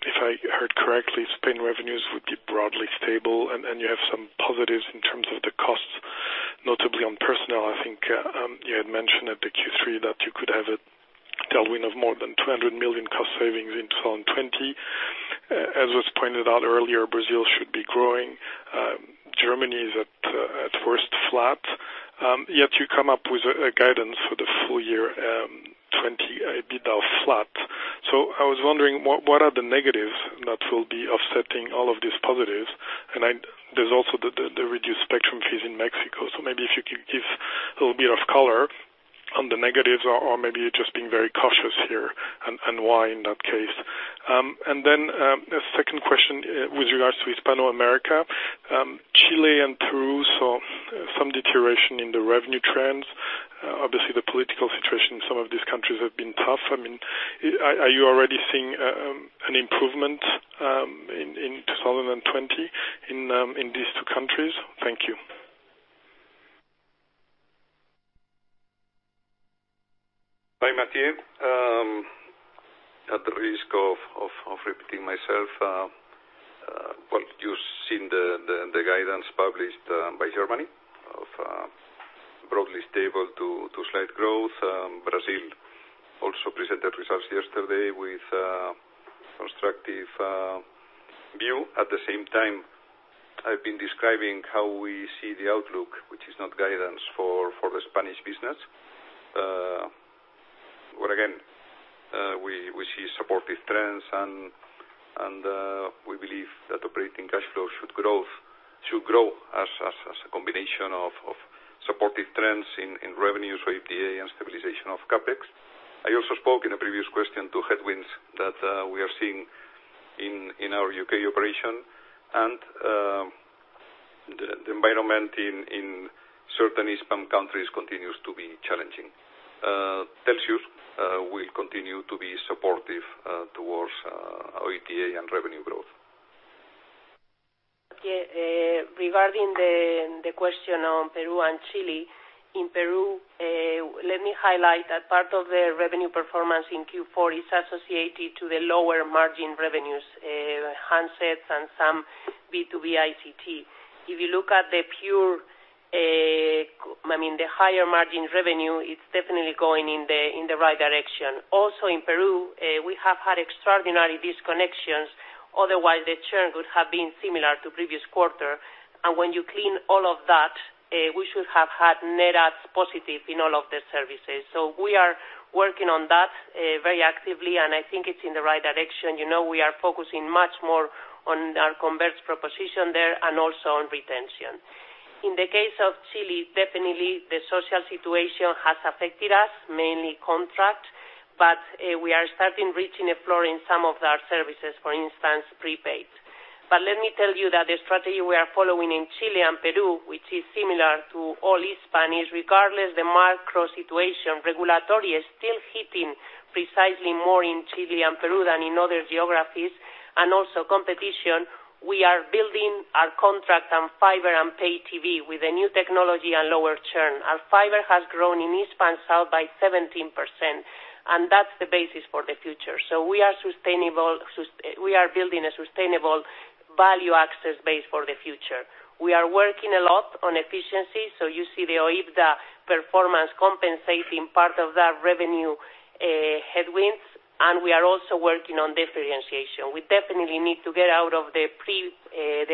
if I heard correctly, Spain revenues would be broadly stable, and you have some positives in terms of the costs, notably on personnel. I think, you had mentioned at the Q3 that you could have a tailwind of more than 200 million cost savings in 2020. As was pointed out earlier, Brazil should be growing. Germany is at first flat. Yet you come up with a guidance for the full year 2020 EBITDA flat. I was wondering, what are the negatives that will be offsetting all of these positives? And there's also the reduced spectrum fees in Mexico. Maybe if you could give a little bit of color on the negatives, or maybe you're just being very cautious here, and why, in that case? Second question, with regards to Hispanoamérica. Chile and Peru saw some deterioration in the revenue trends. Obviously, the political situation in some of these countries have been tough. Are you already seeing an improvement in 2020 in these two countries? Thank you. Hi, Mathieu. At the risk of repeating myself, well, you've seen the guidance published by Germany of broadly stable to slight growth. Brazil also presented results yesterday with a constructive view. At the same time, I've been describing how we see the outlook, which is not guidance for the Spanish business. Where again, we see supportive trends, and we believe that operating cash flow should grow as a combination of supportive trends in revenues for OIBDA and stabilization of CapEx. I also spoke in a previous question to headwinds that we are seeing in our U.K. operation, and the environment in certain Hispanic countries continues to be challenging. Telxius will continue to be supportive towards OIBDA and revenue growth. Regarding the question on Peru and Chile. In Peru, let me highlight that part of the revenue performance in Q4 is associated to the lower margin revenues, handsets and some B2B ICT. If you look at the higher margin revenue, it's definitely going in the right direction. Also in Peru, we have had extraordinary disconnections, otherwise the churn would have been similar to previous quarter. When you clean all of that, we should have had net adds positive in all of the services. We are working on that very actively, and I think it's in the right direction. We are focusing much more on our convergent proposition there, and also on retention. In the case of Chile, definitely the social situation has affected us, mainly contract, we are starting reaching a floor in some of our services, for instance, prepaid. Let me tell you that the strategy we are following in Chile and Peru, which is similar to all Hispam, regardless the macro situation, regulatory is still hitting precisely more in Chile and Peru than in other geographies, and also competition. We are building our contract on fiber and pay TV with a new technology and lower churn. Our fiber has grown in Hispam South by 17%, and that's the basis for the future. We are building a sustainable value access base for the future. We are working a lot on efficiency, so you see the OIBDA performance compensating part of that revenue headwinds, and we are also working on differentiation. We definitely need to get out of the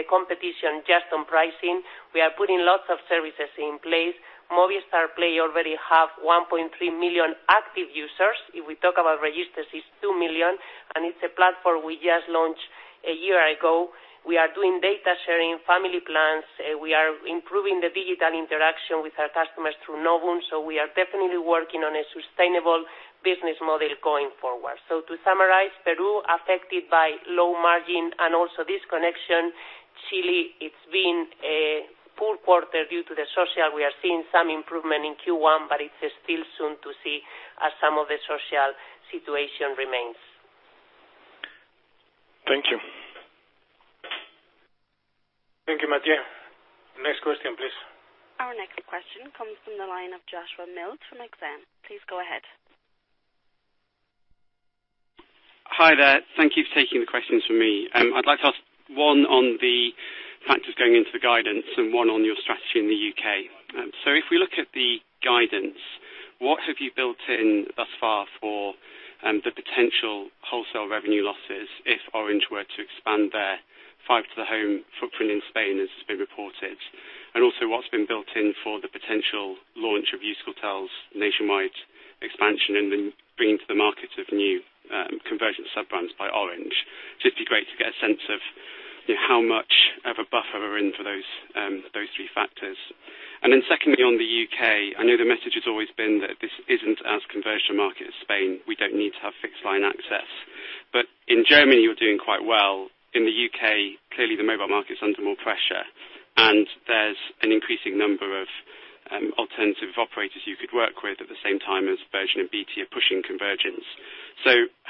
competition just on pricing. We are putting lots of services in place. Movistar Play already have 1.3 million active users. If we talk about registers, it's 2 million, and it's a platform we just launched a year ago. We are doing data sharing, family plans. We are improving the digital interaction with our customers through Novum, so we are definitely working on a sustainable business model going forward. To summarize, Peru affected by low margin and also disconnection. Chile, it's been a poor quarter due to the social. We are seeing some improvement in Q1, but it is still soon to see as some of the social situation remains. Thank you. Thank you, Mathieu. Next question, please. Our next question comes from the line of Joshua Mills from Exane. Please go ahead. Hi there. Thank you for taking the questions from me. I'd like to ask one on the factors going into the guidance and one on your strategy in the U.K. If we look at the guidance, what have you built in thus far for the potential wholesale revenue losses if Orange were to expand their fiber to the home footprint in Spain as has been reported? What's been built in for the potential launch of Euskaltel's nationwide expansion and the bringing to the market of new convergence sub-brands by Orange? Just be great to get a sense of how much of a buffer are in for those three factors. Secondly, on the U.K., I know the message has always been that this isn't as convergent a market as Spain. We don't need to have fixed line access. In Germany, you're doing quite well. In the U.K., clearly the mobile market's under more pressure, and there's an increasing number of alternative operators you could work with at the same time as Virgin and BT are pushing convergence.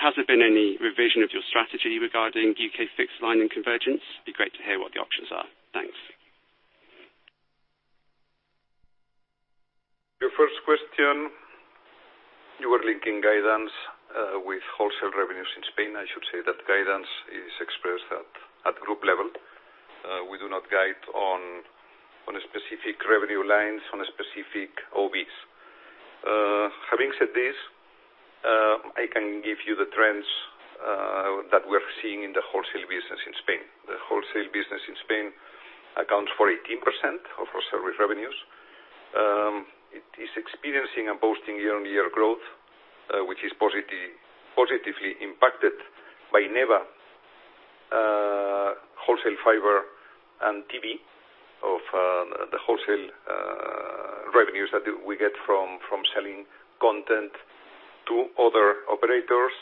Has there been any revision of your strategy regarding U.K. fixed line and convergence? It'd be great to hear what the options are. Thanks. Your first question, you were linking guidance with wholesale revenues in Spain. I should say that guidance is expressed at group level. We do not guide on specific revenue lines, on specific OpCos. Having said this, I can give you the trends that we're seeing in the wholesale business in Spain. The wholesale business in Spain accounts for 18% of wholesale revenues. It is experiencing and posting year-on-year growth, which is positively impacted by NEBA wholesale fiber and TV of the wholesale revenues that we get from selling content to other operators.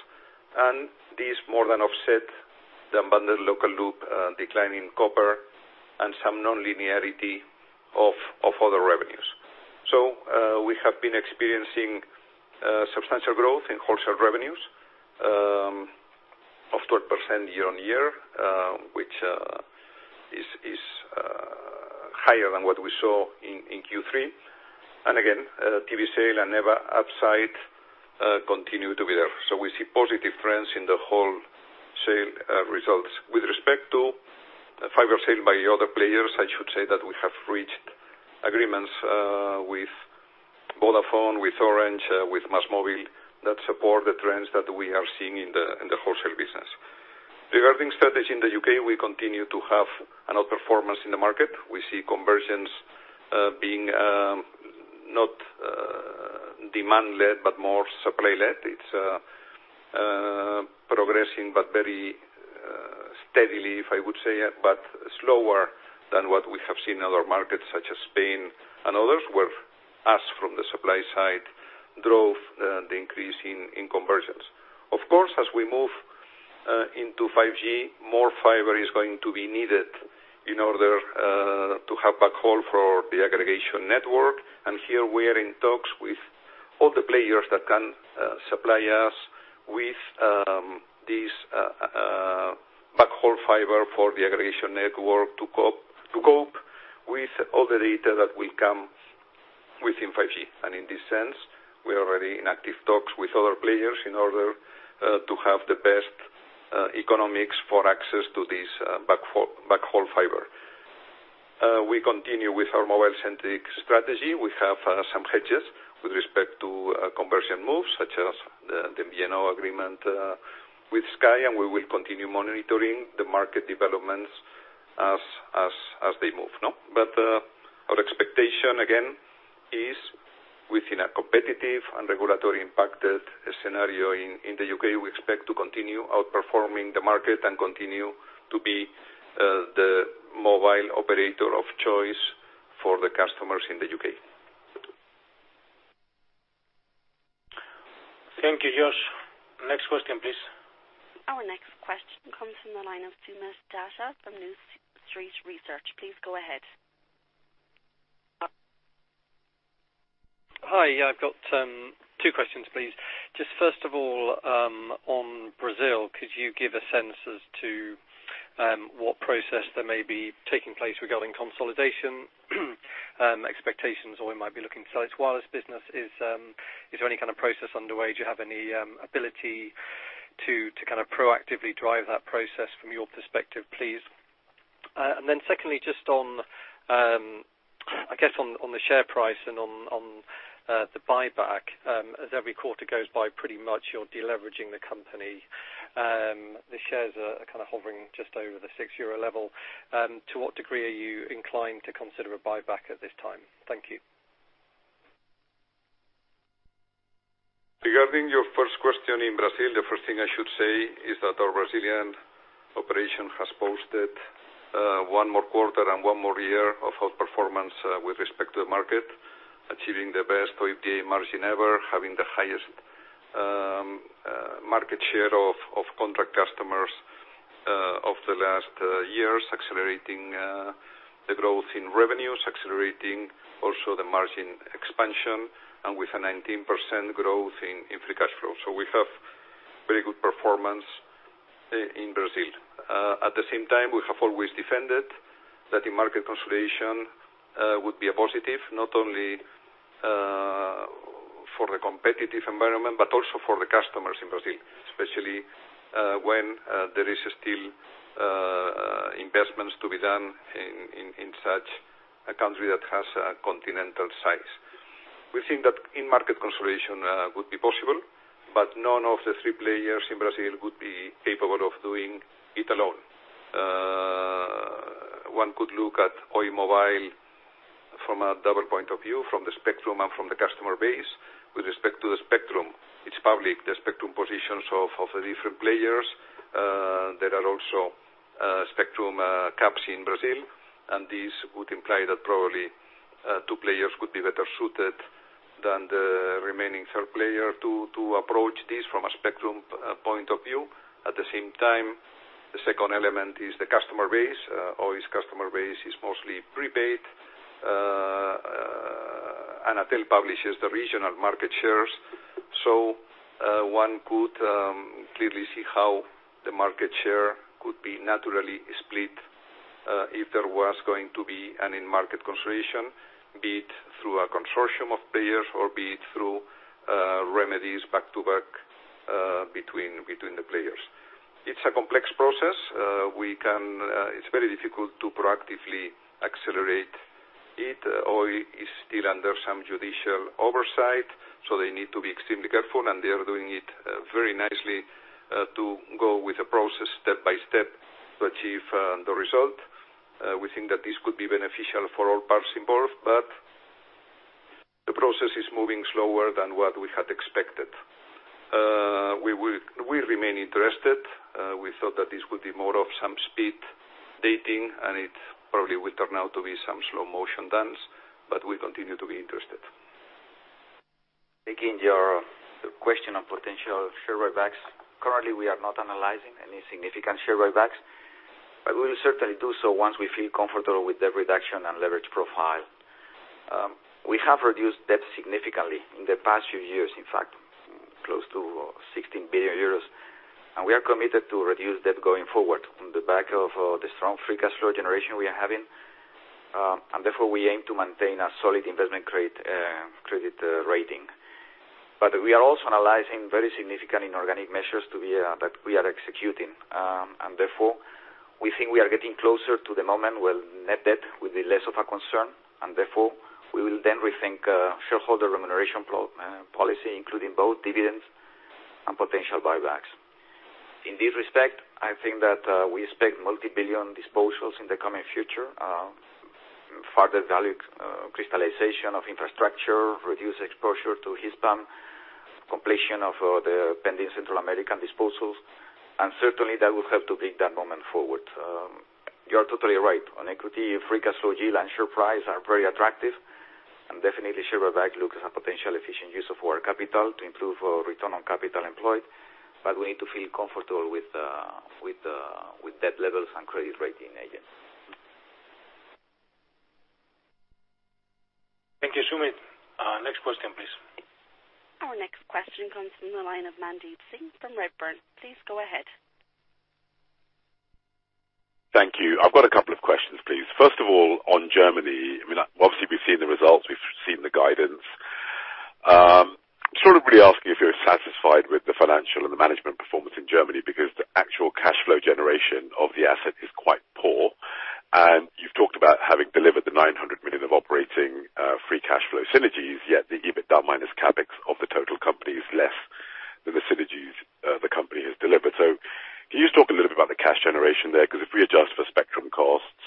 These more than offset the unbundled local loop decline in copper and some non-linearity of other revenues. We have been experiencing substantial growth in wholesale revenues, of 12% year-on-year, which is higher than what we saw in Q3. Again, TV sale and NEBA upside continue to be there. We see positive trends in the wholesale results. With respect to fiber sale by other players, I should say that we have reached agreements with Vodafone, with Orange, with MásMóvil, that support the trends that we are seeing in the wholesale business. Regarding strategy in the U.K., we continue to have an outperformance in the market. We see conversions being not demand led, but more supply led. It's progressing, but very steadily, if I would say it, but slower than what we have seen in other markets such as Spain and others, where us from the supply side drove the increase in conversions. Of course, as we move into 5G, more fiber is going to be needed in order to have backhaul for the aggregation network. Here we are in talks with all the players that can supply us with this backhaul fiber for the aggregation network to cope with all the data that will come within 5G. In this sense, we are already in active talks with other players in order to have the best economics for access to this backhaul fiber. We continue with our mobile-centric strategy. We have some hedges with respect to conversion moves, such as the MVNO agreement with Sky, and we will continue monitoring the market developments as they move. Our expectation, again, is within a competitive and regulatory impacted scenario in the U.K. We expect to continue outperforming the market and continue to be the mobile operator of choice for the customers in the U.K. Thank you, Josh. Next question, please. Our next question comes from the line of Soomit Datta from New Street Research. Please go ahead. Hi. I've got two questions, please. First of all, on Brazil, could you give a sense as to what process there may be taking place regarding consolidation, expectations or we might be looking to sell its wireless business? Is there any kind of process underway? Do you have any ability to proactively drive that process from your perspective, please? Secondly, I guess, on the share price and on the buyback, as every quarter goes by, pretty much you're de-leveraging the company. The shares are hovering just over the 6 euro level. To what degree are you inclined to consider a buyback at this time? Thank you. Regarding your first question in Brazil, the first thing I should say is that our Brazilian operation has posted one more quarter and one more year of outperformance with respect to the market, achieving the best OIBDA margin ever, having the highest market share of contract customers of the last years, accelerating the growth in revenues, accelerating also the margin expansion, and with a 19% growth in free cash flow. We have very good performance in Brazil. At the same time, we have always defended that in-market consolidation would be a positive not only for the competitive environment, but also for the customers in Brazil, especially when there is still investments to be done in such a country that has a continental size. We think that in-market consolidation would be possible, but none of the three players in Brazil would be capable of doing it alone. One could look at Oi Móvel from a double point of view, from the spectrum and from the customer base. With respect to the spectrum, it's public, the spectrum positions of the different players. There are also spectrum caps in Brazil, this would imply that probably two players could be better suited than the remaining third player to approach this from a spectrum point of view. At the same time, the second element is the customer base. Oi's customer base is mostly prepaid. Anatel publishes the regional market shares. One could clearly see how the market share could be naturally split if there was going to be an in-market consolidation, be it through a consortium of players or be it through remedies back-to-back between the players. It's a complex process. It's very difficult to proactively accelerate it. Oi is still under some judicial oversight, so they need to be extremely careful, and they are doing it very nicely to go with the process step by step to achieve the result. We think that this could be beneficial for all parts involved, but the process is moving slower than what we had expected. We remain interested. We thought that this would be more of some speed dating, and it probably will turn out to be some slow motion dance, but we continue to be interested. Taking your question on potential share buybacks. Currently, we are not analyzing any significant share buybacks, but we will certainly do so once we feel comfortable with the reduction and leverage profile. We have reduced debt significantly in the past few years, in fact, close to 16 billion euros, and we are committed to reduce debt going forward on the back of the strong free cash flow generation we are having. Therefore, we aim to maintain a solid investment credit rating. We are also analyzing very significant inorganic measures that we are executing. Therefore, we think we are getting closer to the moment where net debt will be less of a concern, and therefore, we will then rethink shareholder remuneration policy, including both dividends and potential buybacks. In this respect, I think that we expect multi-billion disposals in the coming future. Further value crystallization of infrastructure, reduced exposure to Hispam, completion of the pending Central American disposals. Certainly, that will help to bring that moment forward. You're totally right. On equity, free cash flow yield and share price are very attractive, and definitely share buyback looks a potential efficient use of our capital to improve return on capital employed, but we need to feel comfortable with debt levels and credit rating agency. Thank you, Soomit. Next question, please. Our next question comes from the line of Mandeep Singh from Redburn. Please go ahead. Thank you. I've got a couple of questions, please. First of all, on Germany, obviously we've seen the results, we've seen the guidance. Sort of really asking if you're satisfied with the financial and the management performance in Germany, because the actual cash flow generation of the asset is quite poor. You've talked about having delivered the 900 million of operating free cash flow synergies, yet the EBITDA minus CapEx of the total company is less than the synergies the company has delivered. Can you just talk a little bit about the cash generation there? Because if we adjust for spectrum costs,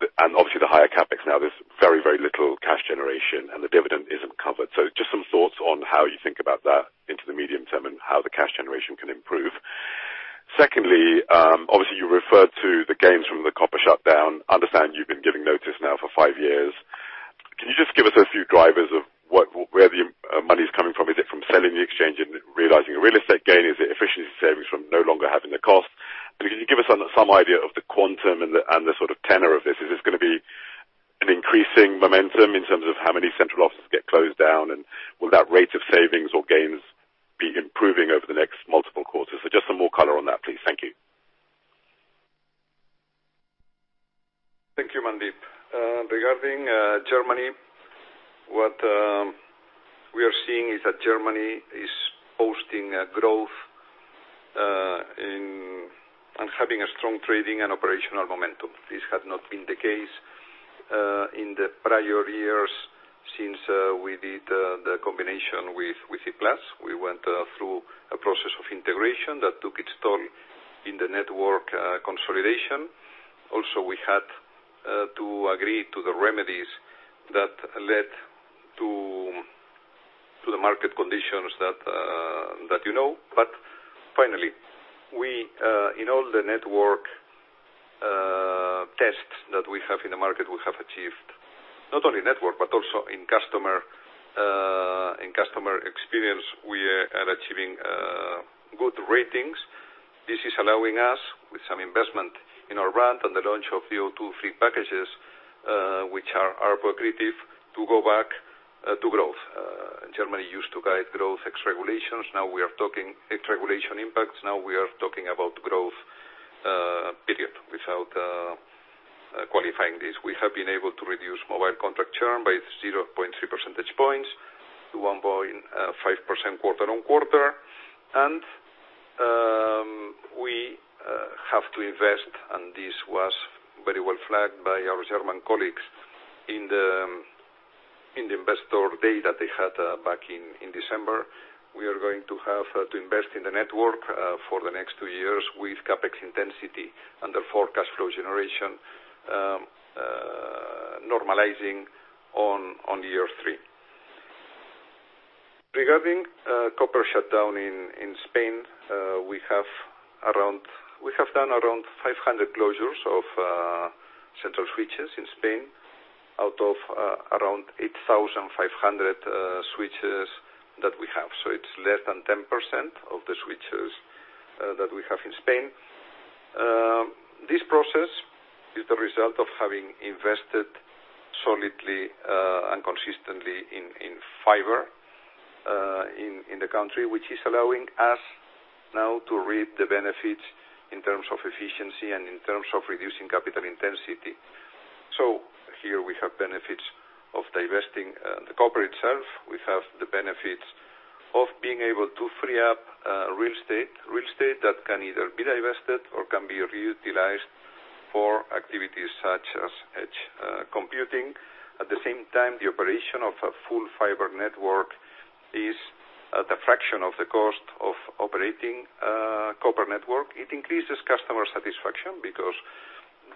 and obviously the higher CapEx now, there's very, very little cash generation, and the dividend isn't covered. Just some thoughts on how you think about that into the medium term and how the cash generation can improve. Secondly, obviously you referred to the gains from the copper shutdown. Understand you've been giving notice now for five years. Can you just give us a few drivers of where the money's coming from? Is it from selling the exchange and realizing a real estate gain? Is it efficiency savings from no longer having the cost? Can you give us some idea of the quantum and the sort of tenor of this? Is this going to be an increasing momentum in terms of how many central offices get closed down? Will that rate of savings or gains be improving over the next multiple quarters? Just some more color on that, please. Thank you. Thank you, Mandeep. Regarding Germany, what we are seeing is that Germany is posting a growth and having a strong trading and operational momentum. This had not been the case in the prior years since we did the combination with E-Plus. We went through a process of integration that took its toll in the network consolidation. We had to agree to the remedies that led to the market conditions that you know. Finally, in all the network tests that we have in the market, we have achieved not only network, but also in customer experience, we are achieving good ratings. This is allowing us, with some investment in our brand on the launch of the O2 Free packages, which are lucrative, to go back to growth. Germany used to guide growth ex regulations. We are talking extra regulation impacts. We are talking about growth period. Without qualifying this, we have been able to reduce mobile contract churn by 0.3 percentage points to 1.5% quarter-on-quarter. We have to invest, and this was very well flagged by our German colleagues in the investor day that they had back in December. We are going to have to invest in the network for the next two years with CapEx intensity and the forecast flow generation normalizing on year three. Regarding copper shutdown in Spain, we have done around 500 closures of central switches in Spain out of around 8,500 switches that we have. It's less than 10% of the switches that we have in Spain. This process is the result of having invested solidly and consistently in fiber in the country, which is allowing us now to reap the benefits in terms of efficiency and in terms of reducing capital intensity. Here we have benefits of divesting the copper itself. We have the benefits of being able to free up real estate that can either be divested or can be reutilized for activities such as edge computing. At the same time, the operation of a full fiber network is at a fraction of the cost of operating a copper network. It increases customer satisfaction because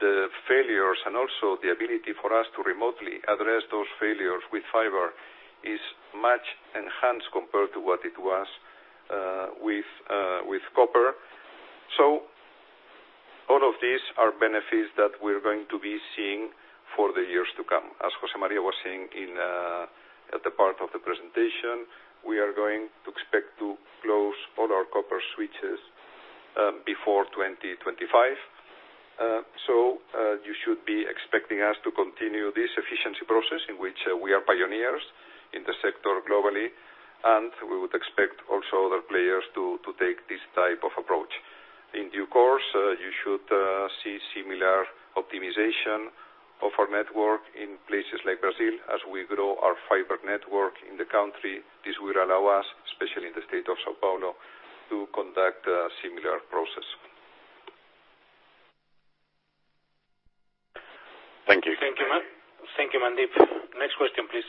the failures and also the ability for us to remotely address those failures with fiber is much enhanced compared to what it was with copper. All of these are benefits that we're going to be seeing for the years to come. As José María was saying at the part of the presentation, we are going to expect to close all our copper switches before 2025. You should be expecting us to continue this efficiency process in which we are pioneers in the sector globally, and we would expect also other players to take this type of approach. In due course, you should see similar optimization of our network in places like Brazil as we grow our fiber network in the country. This will allow us, especially in the state of São Paulo, to conduct a similar process. Thank you. Thank you, Mandeep. Next question, please.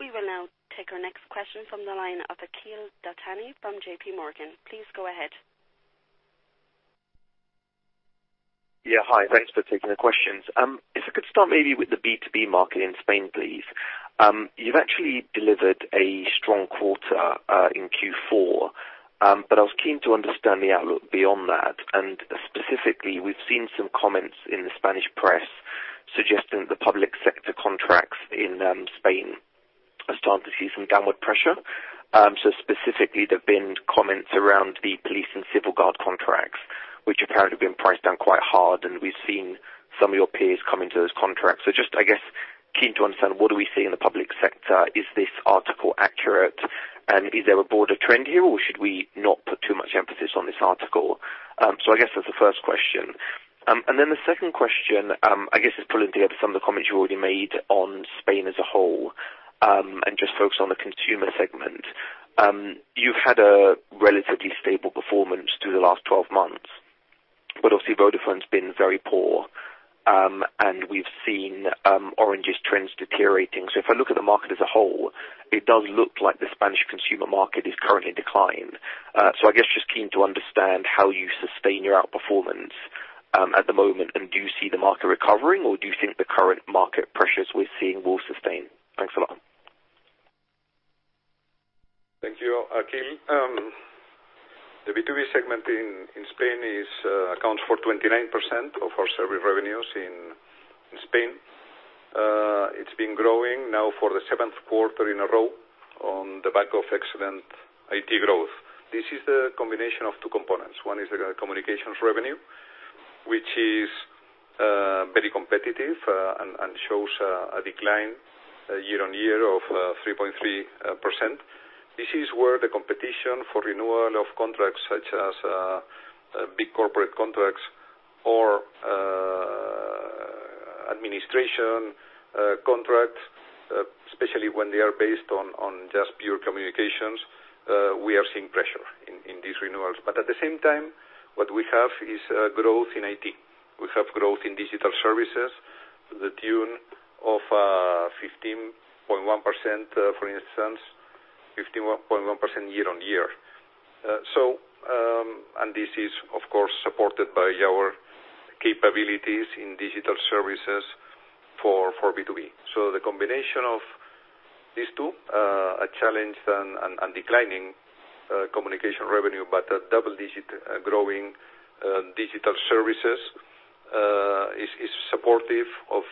We will now take our next question from the line of Akhil Dattani from JPMorgan. Please go ahead. Yeah. Hi. Thanks for taking the questions. If I could start maybe with the B2B market in Spain, please. You've actually delivered a strong quarter in Q4. I was keen to understand the outlook beyond that. Specifically, we've seen some comments in the Spanish press suggesting that public sector contracts in Spain are starting to see some downward pressure. Specifically, there have been comments around the police and civil guard contracts, which apparently have been priced down quite hard, and we've seen some of your peers come into those contracts. Just, I guess, keen to understand, what do we see in the public sector? Is this article accurate, and is there a broader trend here, or should we not put too much emphasis on this article? I guess that's the first question. The second question, I guess, is pulling together some of the comments you already made on Spain as a whole, and just focus on the consumer segment. You've had a relatively stable performance through the last 12 months, but obviously Vodafone's been very poor, and we've seen Orange's trends deteriorating. If I look at the market as a whole, it does look like the Spanish consumer market is currently in decline. I guess just keen to understand how you sustain your outperformance at the moment, and do you see the market recovering, or do you think the current market pressures we're seeing will sustain? Thanks a lot. Thank you, Akhil. The B2B segment in Spain accounts for 29% of our service revenues in Spain. It's been growing now for the seventh quarter in a row on the back of excellent IT growth. This is the combination of two components. One is the communications revenue, which is very competitive and shows a decline year-on-year of 3.3%. This is where the competition for renewal of contracts, such as big corporate contracts or administration contracts, especially when they are based on just pure communications, we are seeing pressure in these renewals. At the same time, what we have is growth in IT. We have growth in digital services to the tune of 15.1%, for instance, 15.1% year-on-year. This is, of course, supported by our capabilities in digital services for B2B. The combination of these two, a challenge and declining communication revenue, but a double-digit growing digital services, is supportive of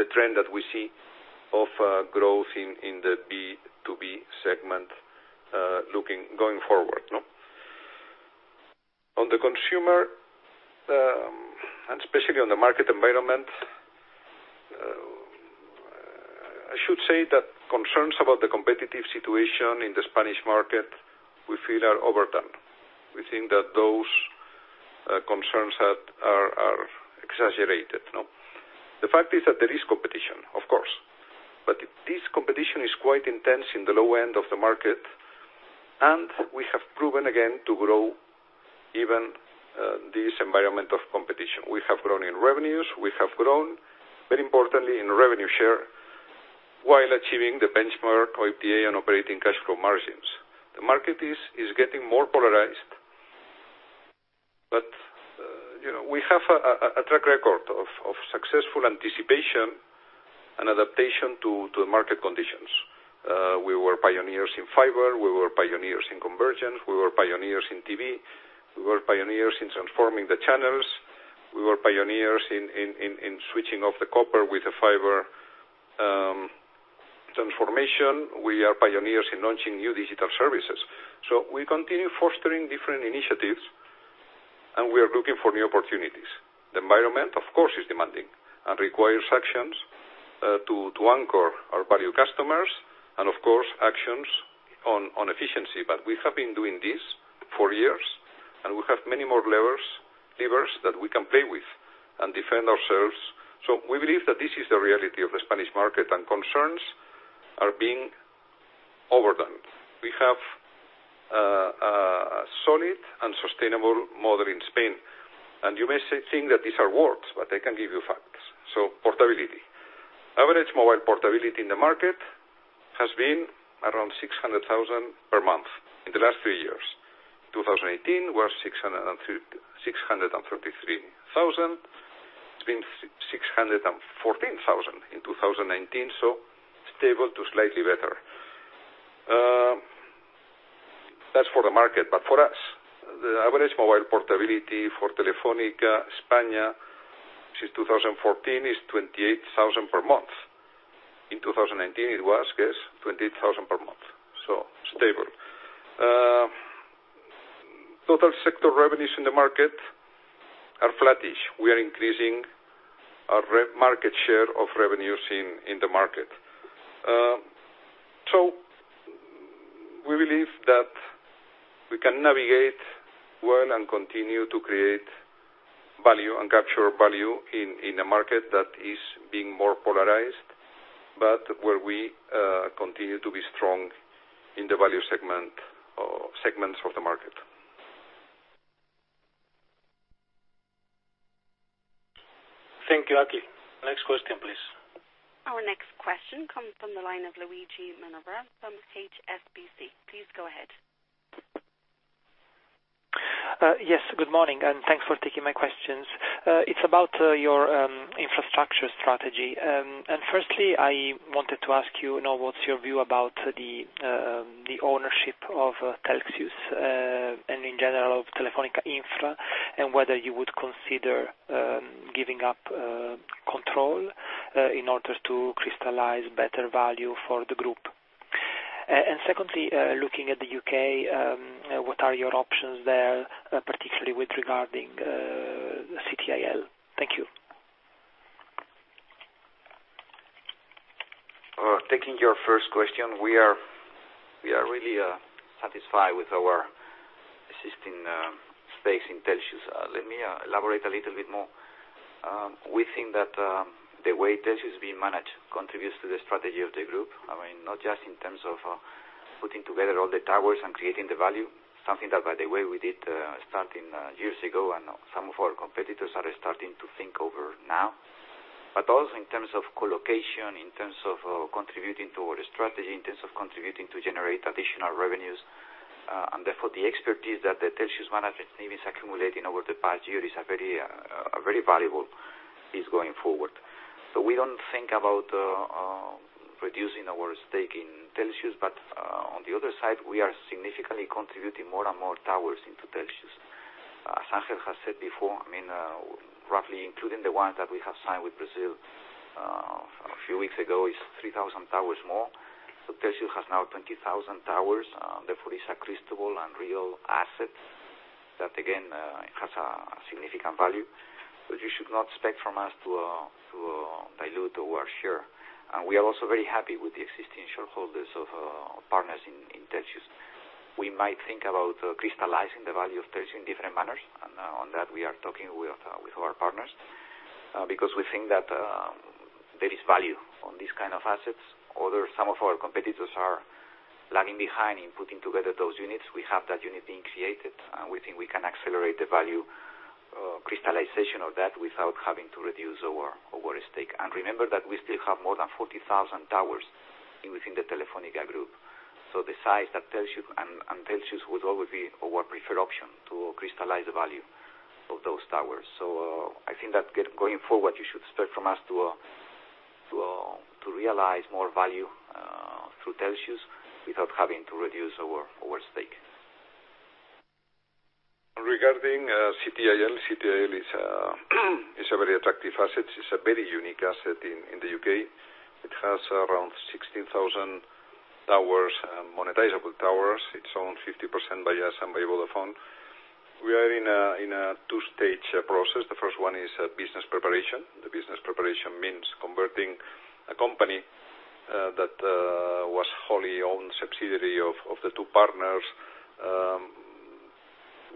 the trend that we see of growth in the B2B segment going forward. On the consumer, and especially on the market environment, I should say that concerns about the competitive situation in the Spanish market, we feel are overdone. We think that those concerns are exaggerated. The fact is that there is competition, of course, but this competition is quite intense in the low end of the market, and we have proven again to grow even this environment of competition. We have grown in revenues, we have grown, very importantly, in revenue share, while achieving the benchmark of EBITDA and operating cash flow margins. The market is getting more polarized, but we have a track record of successful anticipation and adaptation to the market conditions. We were pioneers in fiber. We were pioneers in convergence. We were pioneers in TV. We were pioneers in transforming the channels. We were pioneers in switching off the copper with the fiber transformation. We are pioneers in launching new digital services. We continue fostering different initiatives, and we are looking for new opportunities. The environment, of course, is demanding and requires actions to anchor our value customers, and of course, actions on efficiency. We have been doing this for years, and we have many more levers that we can play with and defend ourselves. We believe that this is the reality of the Spanish market, and concerns are being overdone. We have a solid and sustainable model in Spain. You may think that these are words, but I can give you facts. Portability. Average mobile portability in the market has been around 600,000 per month in the last three years. 2018 was 633,000. It's been 614,000 in 2019, stable to slightly better. That's for the market, but for us, the average mobile portability for Telefónica España since 2014 is 28,000 per month. In 2019, it was, guess, 28,000 per month, so stable. Total sector revenues in the market are flattish. We are increasing our market share of revenues in the market. We believe that we can navigate well and continue to create value and capture value in a market that is being more polarized, but where we continue to be strong in the value segments of the market. Thank you, Akhil. Next question, please. Our next question comes from the line of Luigi Minerva from HSBC. Please go ahead. Yes, good morning, and thanks for taking my questions. It's about your infrastructure strategy. Firstly, I wanted to ask you, what's your view about the ownership of Telxius, and in general, of Telefónica Infra, and whether you would consider giving up control in order to crystallize better value for the group? Secondly, looking at the U.K., what are your options there, particularly with regarding CTIL? Thank you. Taking your first question, we are really satisfied with our existing space in Telxius. Let me elaborate a little bit more. We think that the way Telxius is being managed contributes to the strategy of the group. Not just in terms of putting together all the towers and creating the value, something that, by the way, we did starting years ago, and some of our competitors are starting to think over now. Also in terms of co-location, in terms of contributing to our strategy, in terms of contributing to generate additional revenues. Therefore, the expertise that the Telxius management team is accumulating over the past year is a very valuable piece going forward. We don't think about reducing our stake in Telxius, but on the other side, we are significantly contributing more and more towers into Telxius. As Ángel has said before, roughly including the ones that we have signed with Brazil a few weeks ago, is 3,000 towers more. Telxius has now 20,000 towers. Therefore, it's a crystal and real asset that, again, has a significant value. You should not expect from us to dilute our share. We are also very happy with the existing shareholders of partners in Telxius. We might think about crystallizing the value of Telxius in different manners. On that, we are talking with our partners, because we think that there is value on these kind of assets. Although some of our competitors are lagging behind in putting together those units, we have that unit being created, and we think we can accelerate the value crystallization of that without having to reduce our stake. Remember that we still have more than 40,000 towers within the Telefónica Group. Telxius would always be our preferred option to crystallize the value of those towers. I think that going forward, you should expect from us to realize more value, through Telxius without having to reduce our stake. Regarding CTIL is a very attractive asset. It's a very unique asset in the U.K. It has around 16,000 towers, monetizable towers. It's owned 50% by us and by Vodafone. We are in a two-stage process. The first one is business preparation. The business preparation means converting a company that was wholly owned subsidiary of the two partners,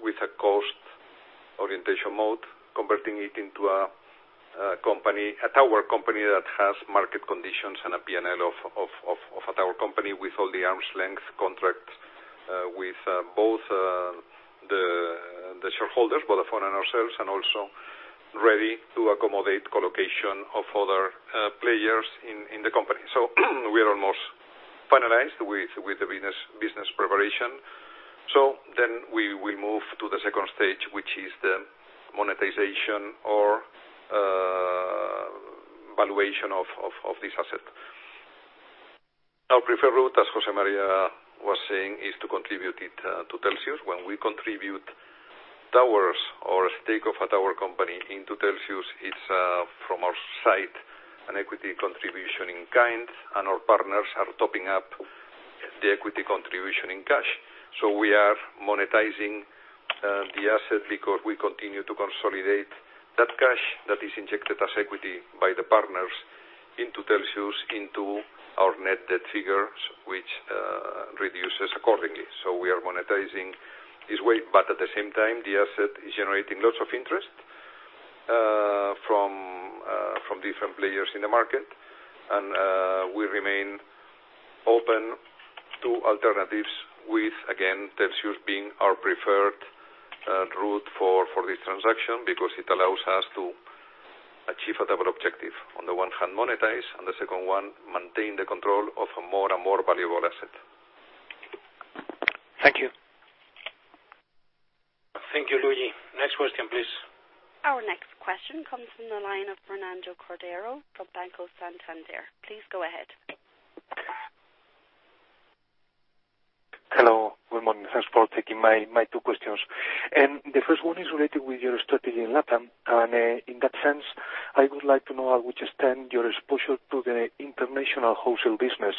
with a cost orientation mode, converting it into a tower company that has market conditions and a P&L of a tower company with all the arm's length contracts, with both the shareholders, Vodafone and ourselves, and also ready to accommodate co-location of other players in the company. We are almost finalized with the business preparation. Then we move to the second stage, which is the monetization or valuation of this asset. Our preferred route, as José María was saying, is to contribute it to Telxius. When we contribute towers or a stake of a tower company into Telxius, it's, from our side, an equity contribution in kind, and our partners are topping up the equity contribution in cash. We are monetizing the asset because we continue to consolidate that cash that is injected as equity by the partners into Telxius into our net debt figures, which reduces accordingly. We are monetizing this way, but at the same time, the asset is generating lots of interest from different players in the market. We remain open to alternatives with, again, Telxius being our preferred route for this transaction because it allows us to achieve a double objective. On the one hand, monetize, on the second one, maintain the control of a more and more valuable asset. Thank you. Thank you, Luigi. Next question, please. Our next question comes from the line of Fernando Cordero from Banco Santander. Please go ahead. Hello. Good morning. Thanks for taking my two questions. The first one is related with your strategy in LatAm. In that sense, I would like to know at which extent your exposure to the international wholesale business,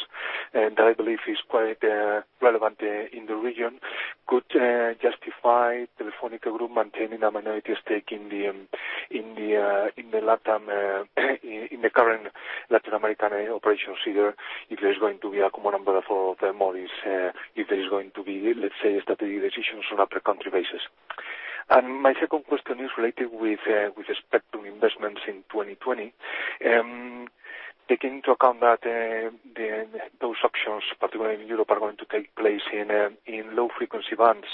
and I believe it's quite relevant in the region, could justify Telefónica Group maintaining a minority stake in the current Latin American operations, either if there's going to be a common umbrella for them, or if there is going to be, let's say, strategic decisions on a per country basis. My second question is related with respect to investments in 2020. Taking into account that those auctions, particularly in Europe, are going to take place in low frequency bands,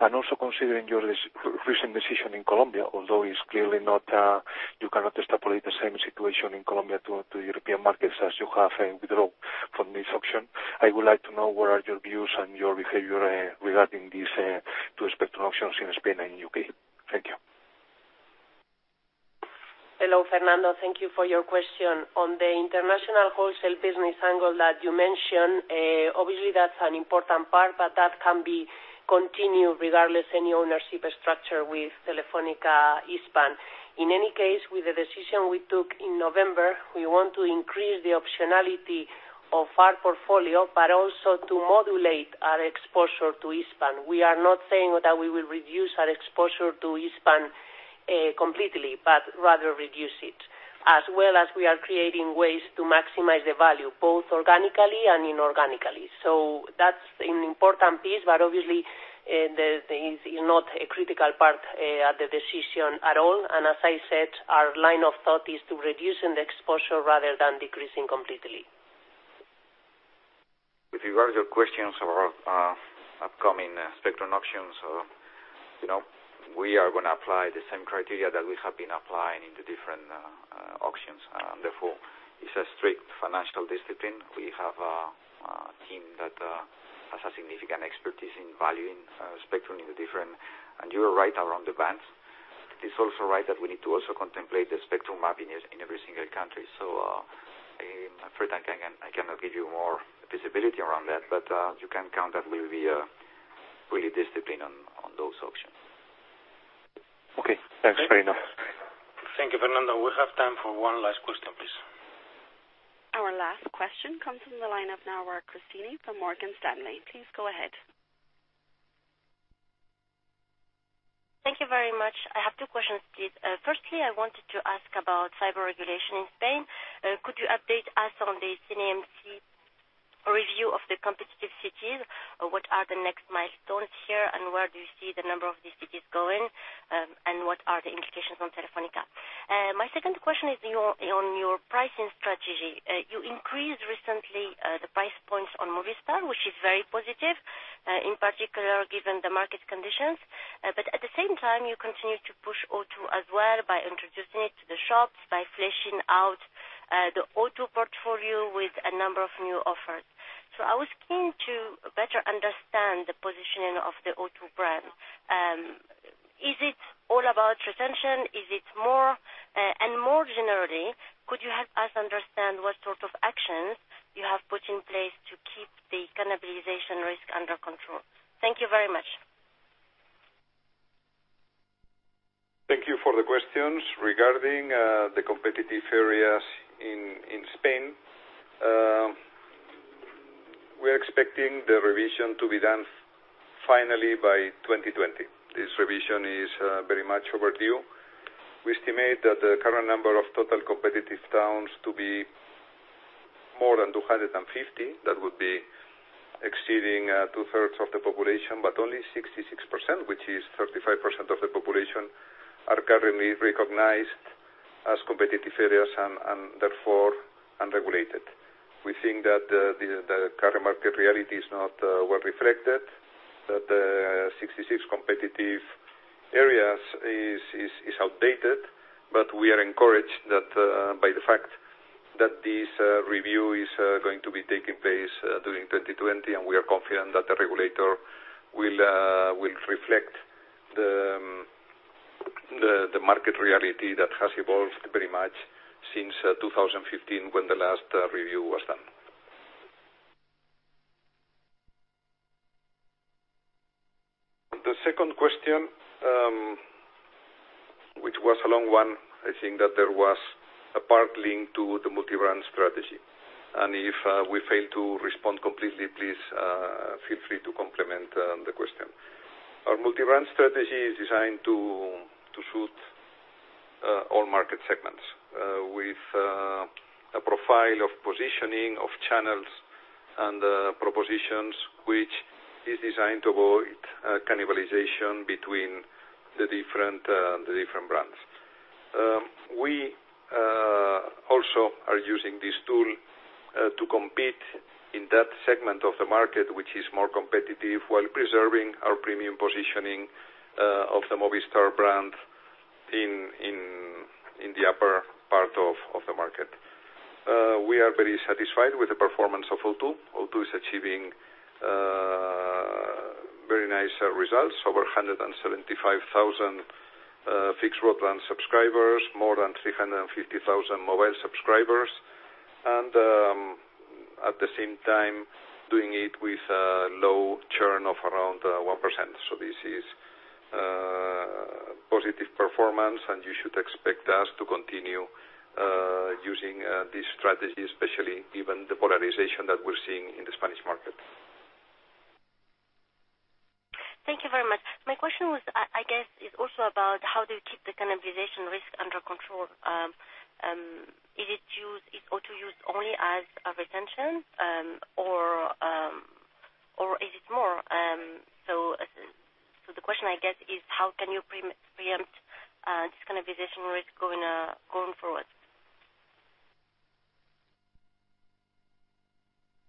and also considering your recent decision in Colombia, although you cannot extrapolate the same situation in Colombia to European markets as you have withdraw from this auction. I would like to know what are your views and your behavior regarding these two spectrum auctions in Spain and U.K. Thank you. Hello, Fernando. Thank you for your question. On the international wholesale business angle that you mentioned, obviously, that's an important part, but that can be continued regardless any ownership structure with Telefónica Hispam. In any case, with the decision we took in November, we want to increase the optionality of our portfolio, but also to modulate our exposure to Hispam. We are not saying that we will reduce our exposure to Hispam completely, but rather reduce it, as well as we are creating ways to maximize the value, both organically and inorganically. That's an important piece, but obviously, it's not a critical part of the decision at all. As I said, our line of thought is to reduce in the exposure rather than decreasing completely. With regard to your questions of our upcoming spectrum auctions, we are going to apply the same criteria that we have been applying in the different auctions. It's a strict financial discipline. We have a team that has a significant expertise in valuing spectrum. You are right around the bands. It is also right that we need to also contemplate the spectrum mapping in every single country. I cannot give you more visibility around that, but you can count that we'll be really disciplined on those auctions. Okay, thanks very much. Thank you, Fernando. We have time for one last question, please. Our last question comes from the line of Nawar Cristini from Morgan Stanley. Please go ahead. Thank you very much. I have two questions, please. Firstly, I wanted to ask about fiber regulation in Spain. Could you update us on the CNMC review of the competitive cities? What are the next milestones here, and where do you see the number of these cities going, and what are the implications on Telefónica? My second question is on your pricing strategy. You increased recently the price points on Movistar, which is very positive, in particular, given the market conditions. At the same time, you continue to push O2 as well by introducing it to the shops, by fleshing out the O2 portfolio with a number of new offers. I was keen to better understand the positioning of the O2 brand. Is it all about retention? More generally, could you help us understand what sort of actions you have put in place to keep the cannibalization risk under control? Thank you very much. Thank you for the questions. Regarding the competitive areas in Spain, we're expecting the revision to be done finally by 2020. This revision is very much overdue. We estimate that the current number of total competitive towns to be more than 250. That would be exceeding two-thirds of the population, but only 66%, which is 35% of the population, are currently recognized as competitive areas and therefore unregulated. We think that the current market reality is not well reflected, that 66 competitive areas is outdated. We are encouraged by the fact that this review is going to be taking place during 2020, and we are confident that the regulator will reflect the market reality that has evolved very much since 2015, when the last review was done. The second question, which was a long one, I think that there was a part linked to the multi-brand strategy. If we fail to respond completely, please feel free to complement the question. Our multi-brand strategy is designed to suit all market segments, with a profile of positioning of channels and propositions, which is designed to avoid cannibalization between the different brands. We also are using this tool to compete in that segment of the market, which is more competitive while preserving our premium positioning of the Movistar brand in the upper part of the market. We are very satisfied with the performance of O2. O2 is achieving very nice results: over 175,000 fixed broadband subscribers, more than 350,000 mobile subscribers, and at the same time, doing it with a low churn of around 1%. This is positive performance, and you should expect us to continue using this strategy, especially given the polarization that we're seeing in the Spanish market. Thank you very much. My question, I guess, is also about how do you keep the cannibalization risk under control. Is O2 used only as a retention, or is it more? The question, I guess, is how can you preempt this cannibalization risk going forward?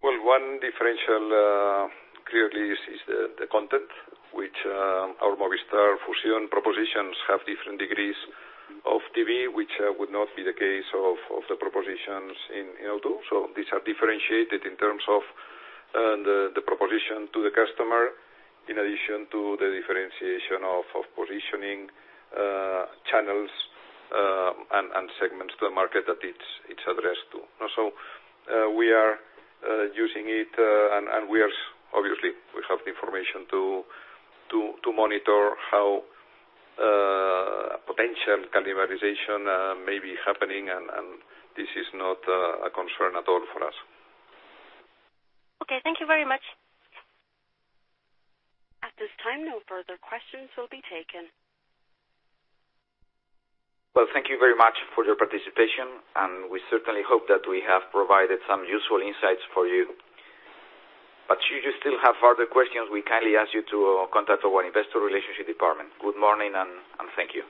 Well, one differential clearly is the content, which our Movistar Fusión propositions have different degrees of TV, which would not be the case of the propositions in O2. These are differentiated in terms of the proposition to the customer, in addition to the differentiation of positioning channels, and segments to the market that it's addressed to. We are using it, and obviously, we have the information to monitor how potential cannibalization may be happening, and this is not a concern at all for us. Okay. Thank you very much. At this time, no further questions will be taken. Well, thank you very much for your participation, and we certainly hope that we have provided some useful insights for you. Should you still have further questions, we kindly ask you to contact our Investor Relations department. Good morning, and thank you.